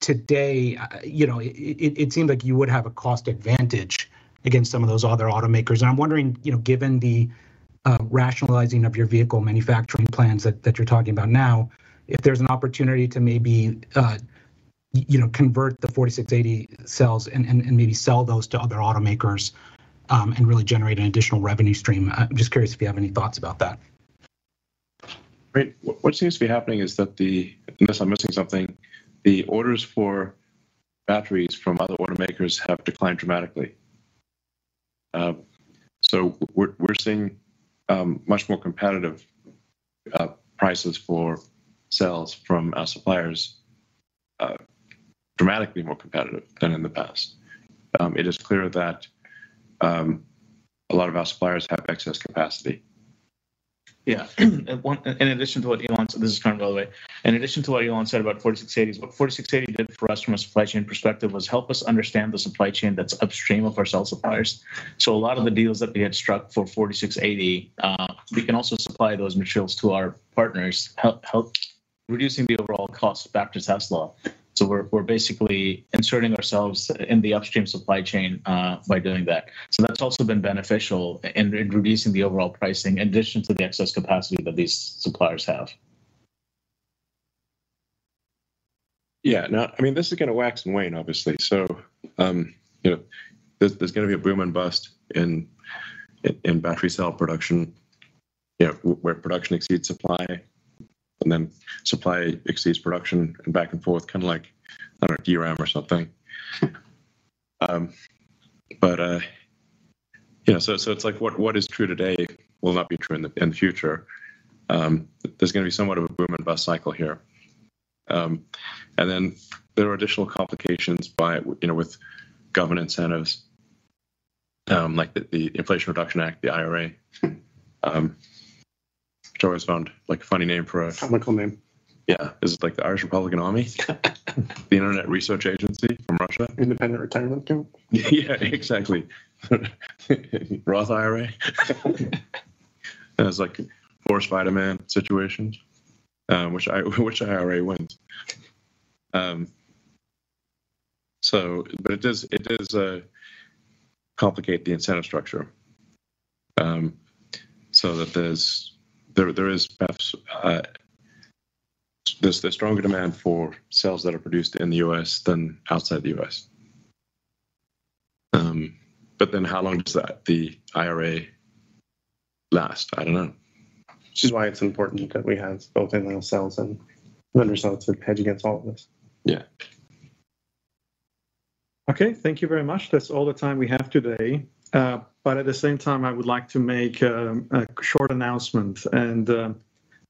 today, it seemed like you would have a cost advantage against some of those other automakers. And I'm wondering, given the rationalizing of your vehicle manufacturing plans that you're talking about now, if there's an opportunity to maybe convert the 4680 cells and maybe sell those to other automakers and really generate an additional revenue stream. I'm just curious if you have any thoughts about that? Right. What seems to be happening is that, unless I'm missing something, the orders for batteries from other automakers have declined dramatically. So we're seeing much more competitive prices for cells from our suppliers, dramatically more competitive than in the past. It is clear that a lot of our suppliers have excess capacity. Yeah. In addition to what Elon said, this is Karn Budhiraj. In addition to what Elon said about 4680s, what 4680 did for us from a supply chain perspective was help us understand the supply chain that's upstream of our cell suppliers. So a lot of the deals that we had struck for 4680, we can also supply those materials to our partners, reducing the overall cost back to Tesla. So we're basically inserting ourselves in the upstream supply chain by doing that. So that's also been beneficial in reducing the overall pricing in addition to the excess capacity that these suppliers have. Yeah. Now, I mean, this is going to wax and wane, obviously. So there's going to be a boom and bust in battery cell production where production exceeds supply, and then supply exceeds production and back and forth, kind of like, I don't know, DRAM or something. But so it's like what is true today will not be true in the future. There's going to be somewhat of a boom and bust cycle here. And then there are additional complications with government incentives like the Inflation Reduction Act, the IRA. I've always found a funny name for it. Chemical name. Yeah. Is it like the Irish Republican Army, the Internet Research Agency from Russia? Independent Retirement Fund? Yeah. Exactly. IRA. It's like for certain situations, which IRA wins. It does complicate the incentive structure so that there is stronger demand for cells that are produced in the U.S. than outside the U.S. Then how long does the IRA last? I don't know. Which is why it's important that we have both in-house cells and vendor cells to hedge against all of this. Yeah. Okay. Thank you very much. That's all the time we have today. But at the same time, I would like to make a short announcement.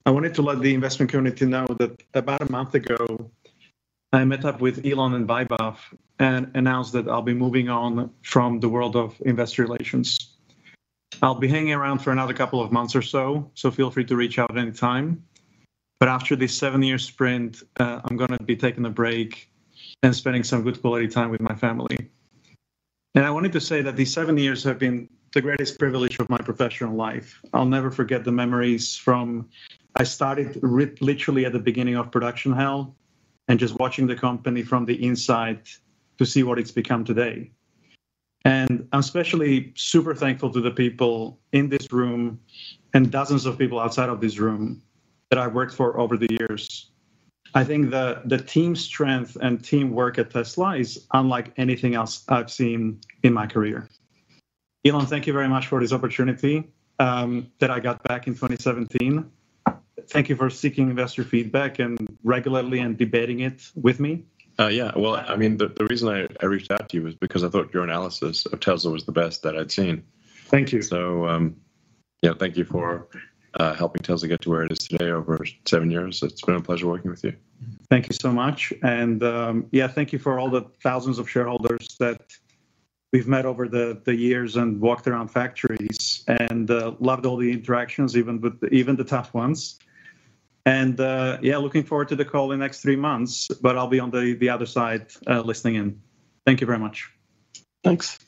I wanted to let the investment community know that about a month ago, I met up with Elon and Vaibhav and announced that I'll be moving on from the world of investor relations. I'll be hanging around for another couple of months or so. So feel free to reach out anytime. But after this seven-year sprint, I'm going to be taking a break and spending some good quality time with my family. I wanted to say that these seven years have been the greatest privilege of my professional life. I'll never forget the memories from I started literally at the beginning of production hell and just watching the company from the inside to see what it's become today. I'm especially super thankful to the people in this room and dozens of people outside of this room that I've worked for over the years. I think the team strength and teamwork at Tesla is unlike anything else I've seen in my career. Elon, thank you very much for this opportunity that I got back in 2017. Thank you for seeking investor feedback regularly and debating it with me. Yeah. Well, I mean, the reason I reached out to you was because I thought your analysis of Tesla was the best that I'd seen. Thank you. So yeah, thank you for helping Tesla get to where it is today over seven years. It's been a pleasure working with you. Thank you so much. Yeah, thank you for all the thousands of shareholders that we've met over the years and walked around factories and loved all the interactions, even the tough ones. Yeah, looking forward to the call in the next three months, but I'll be on the other side listening in. Thank you very much. Thanks.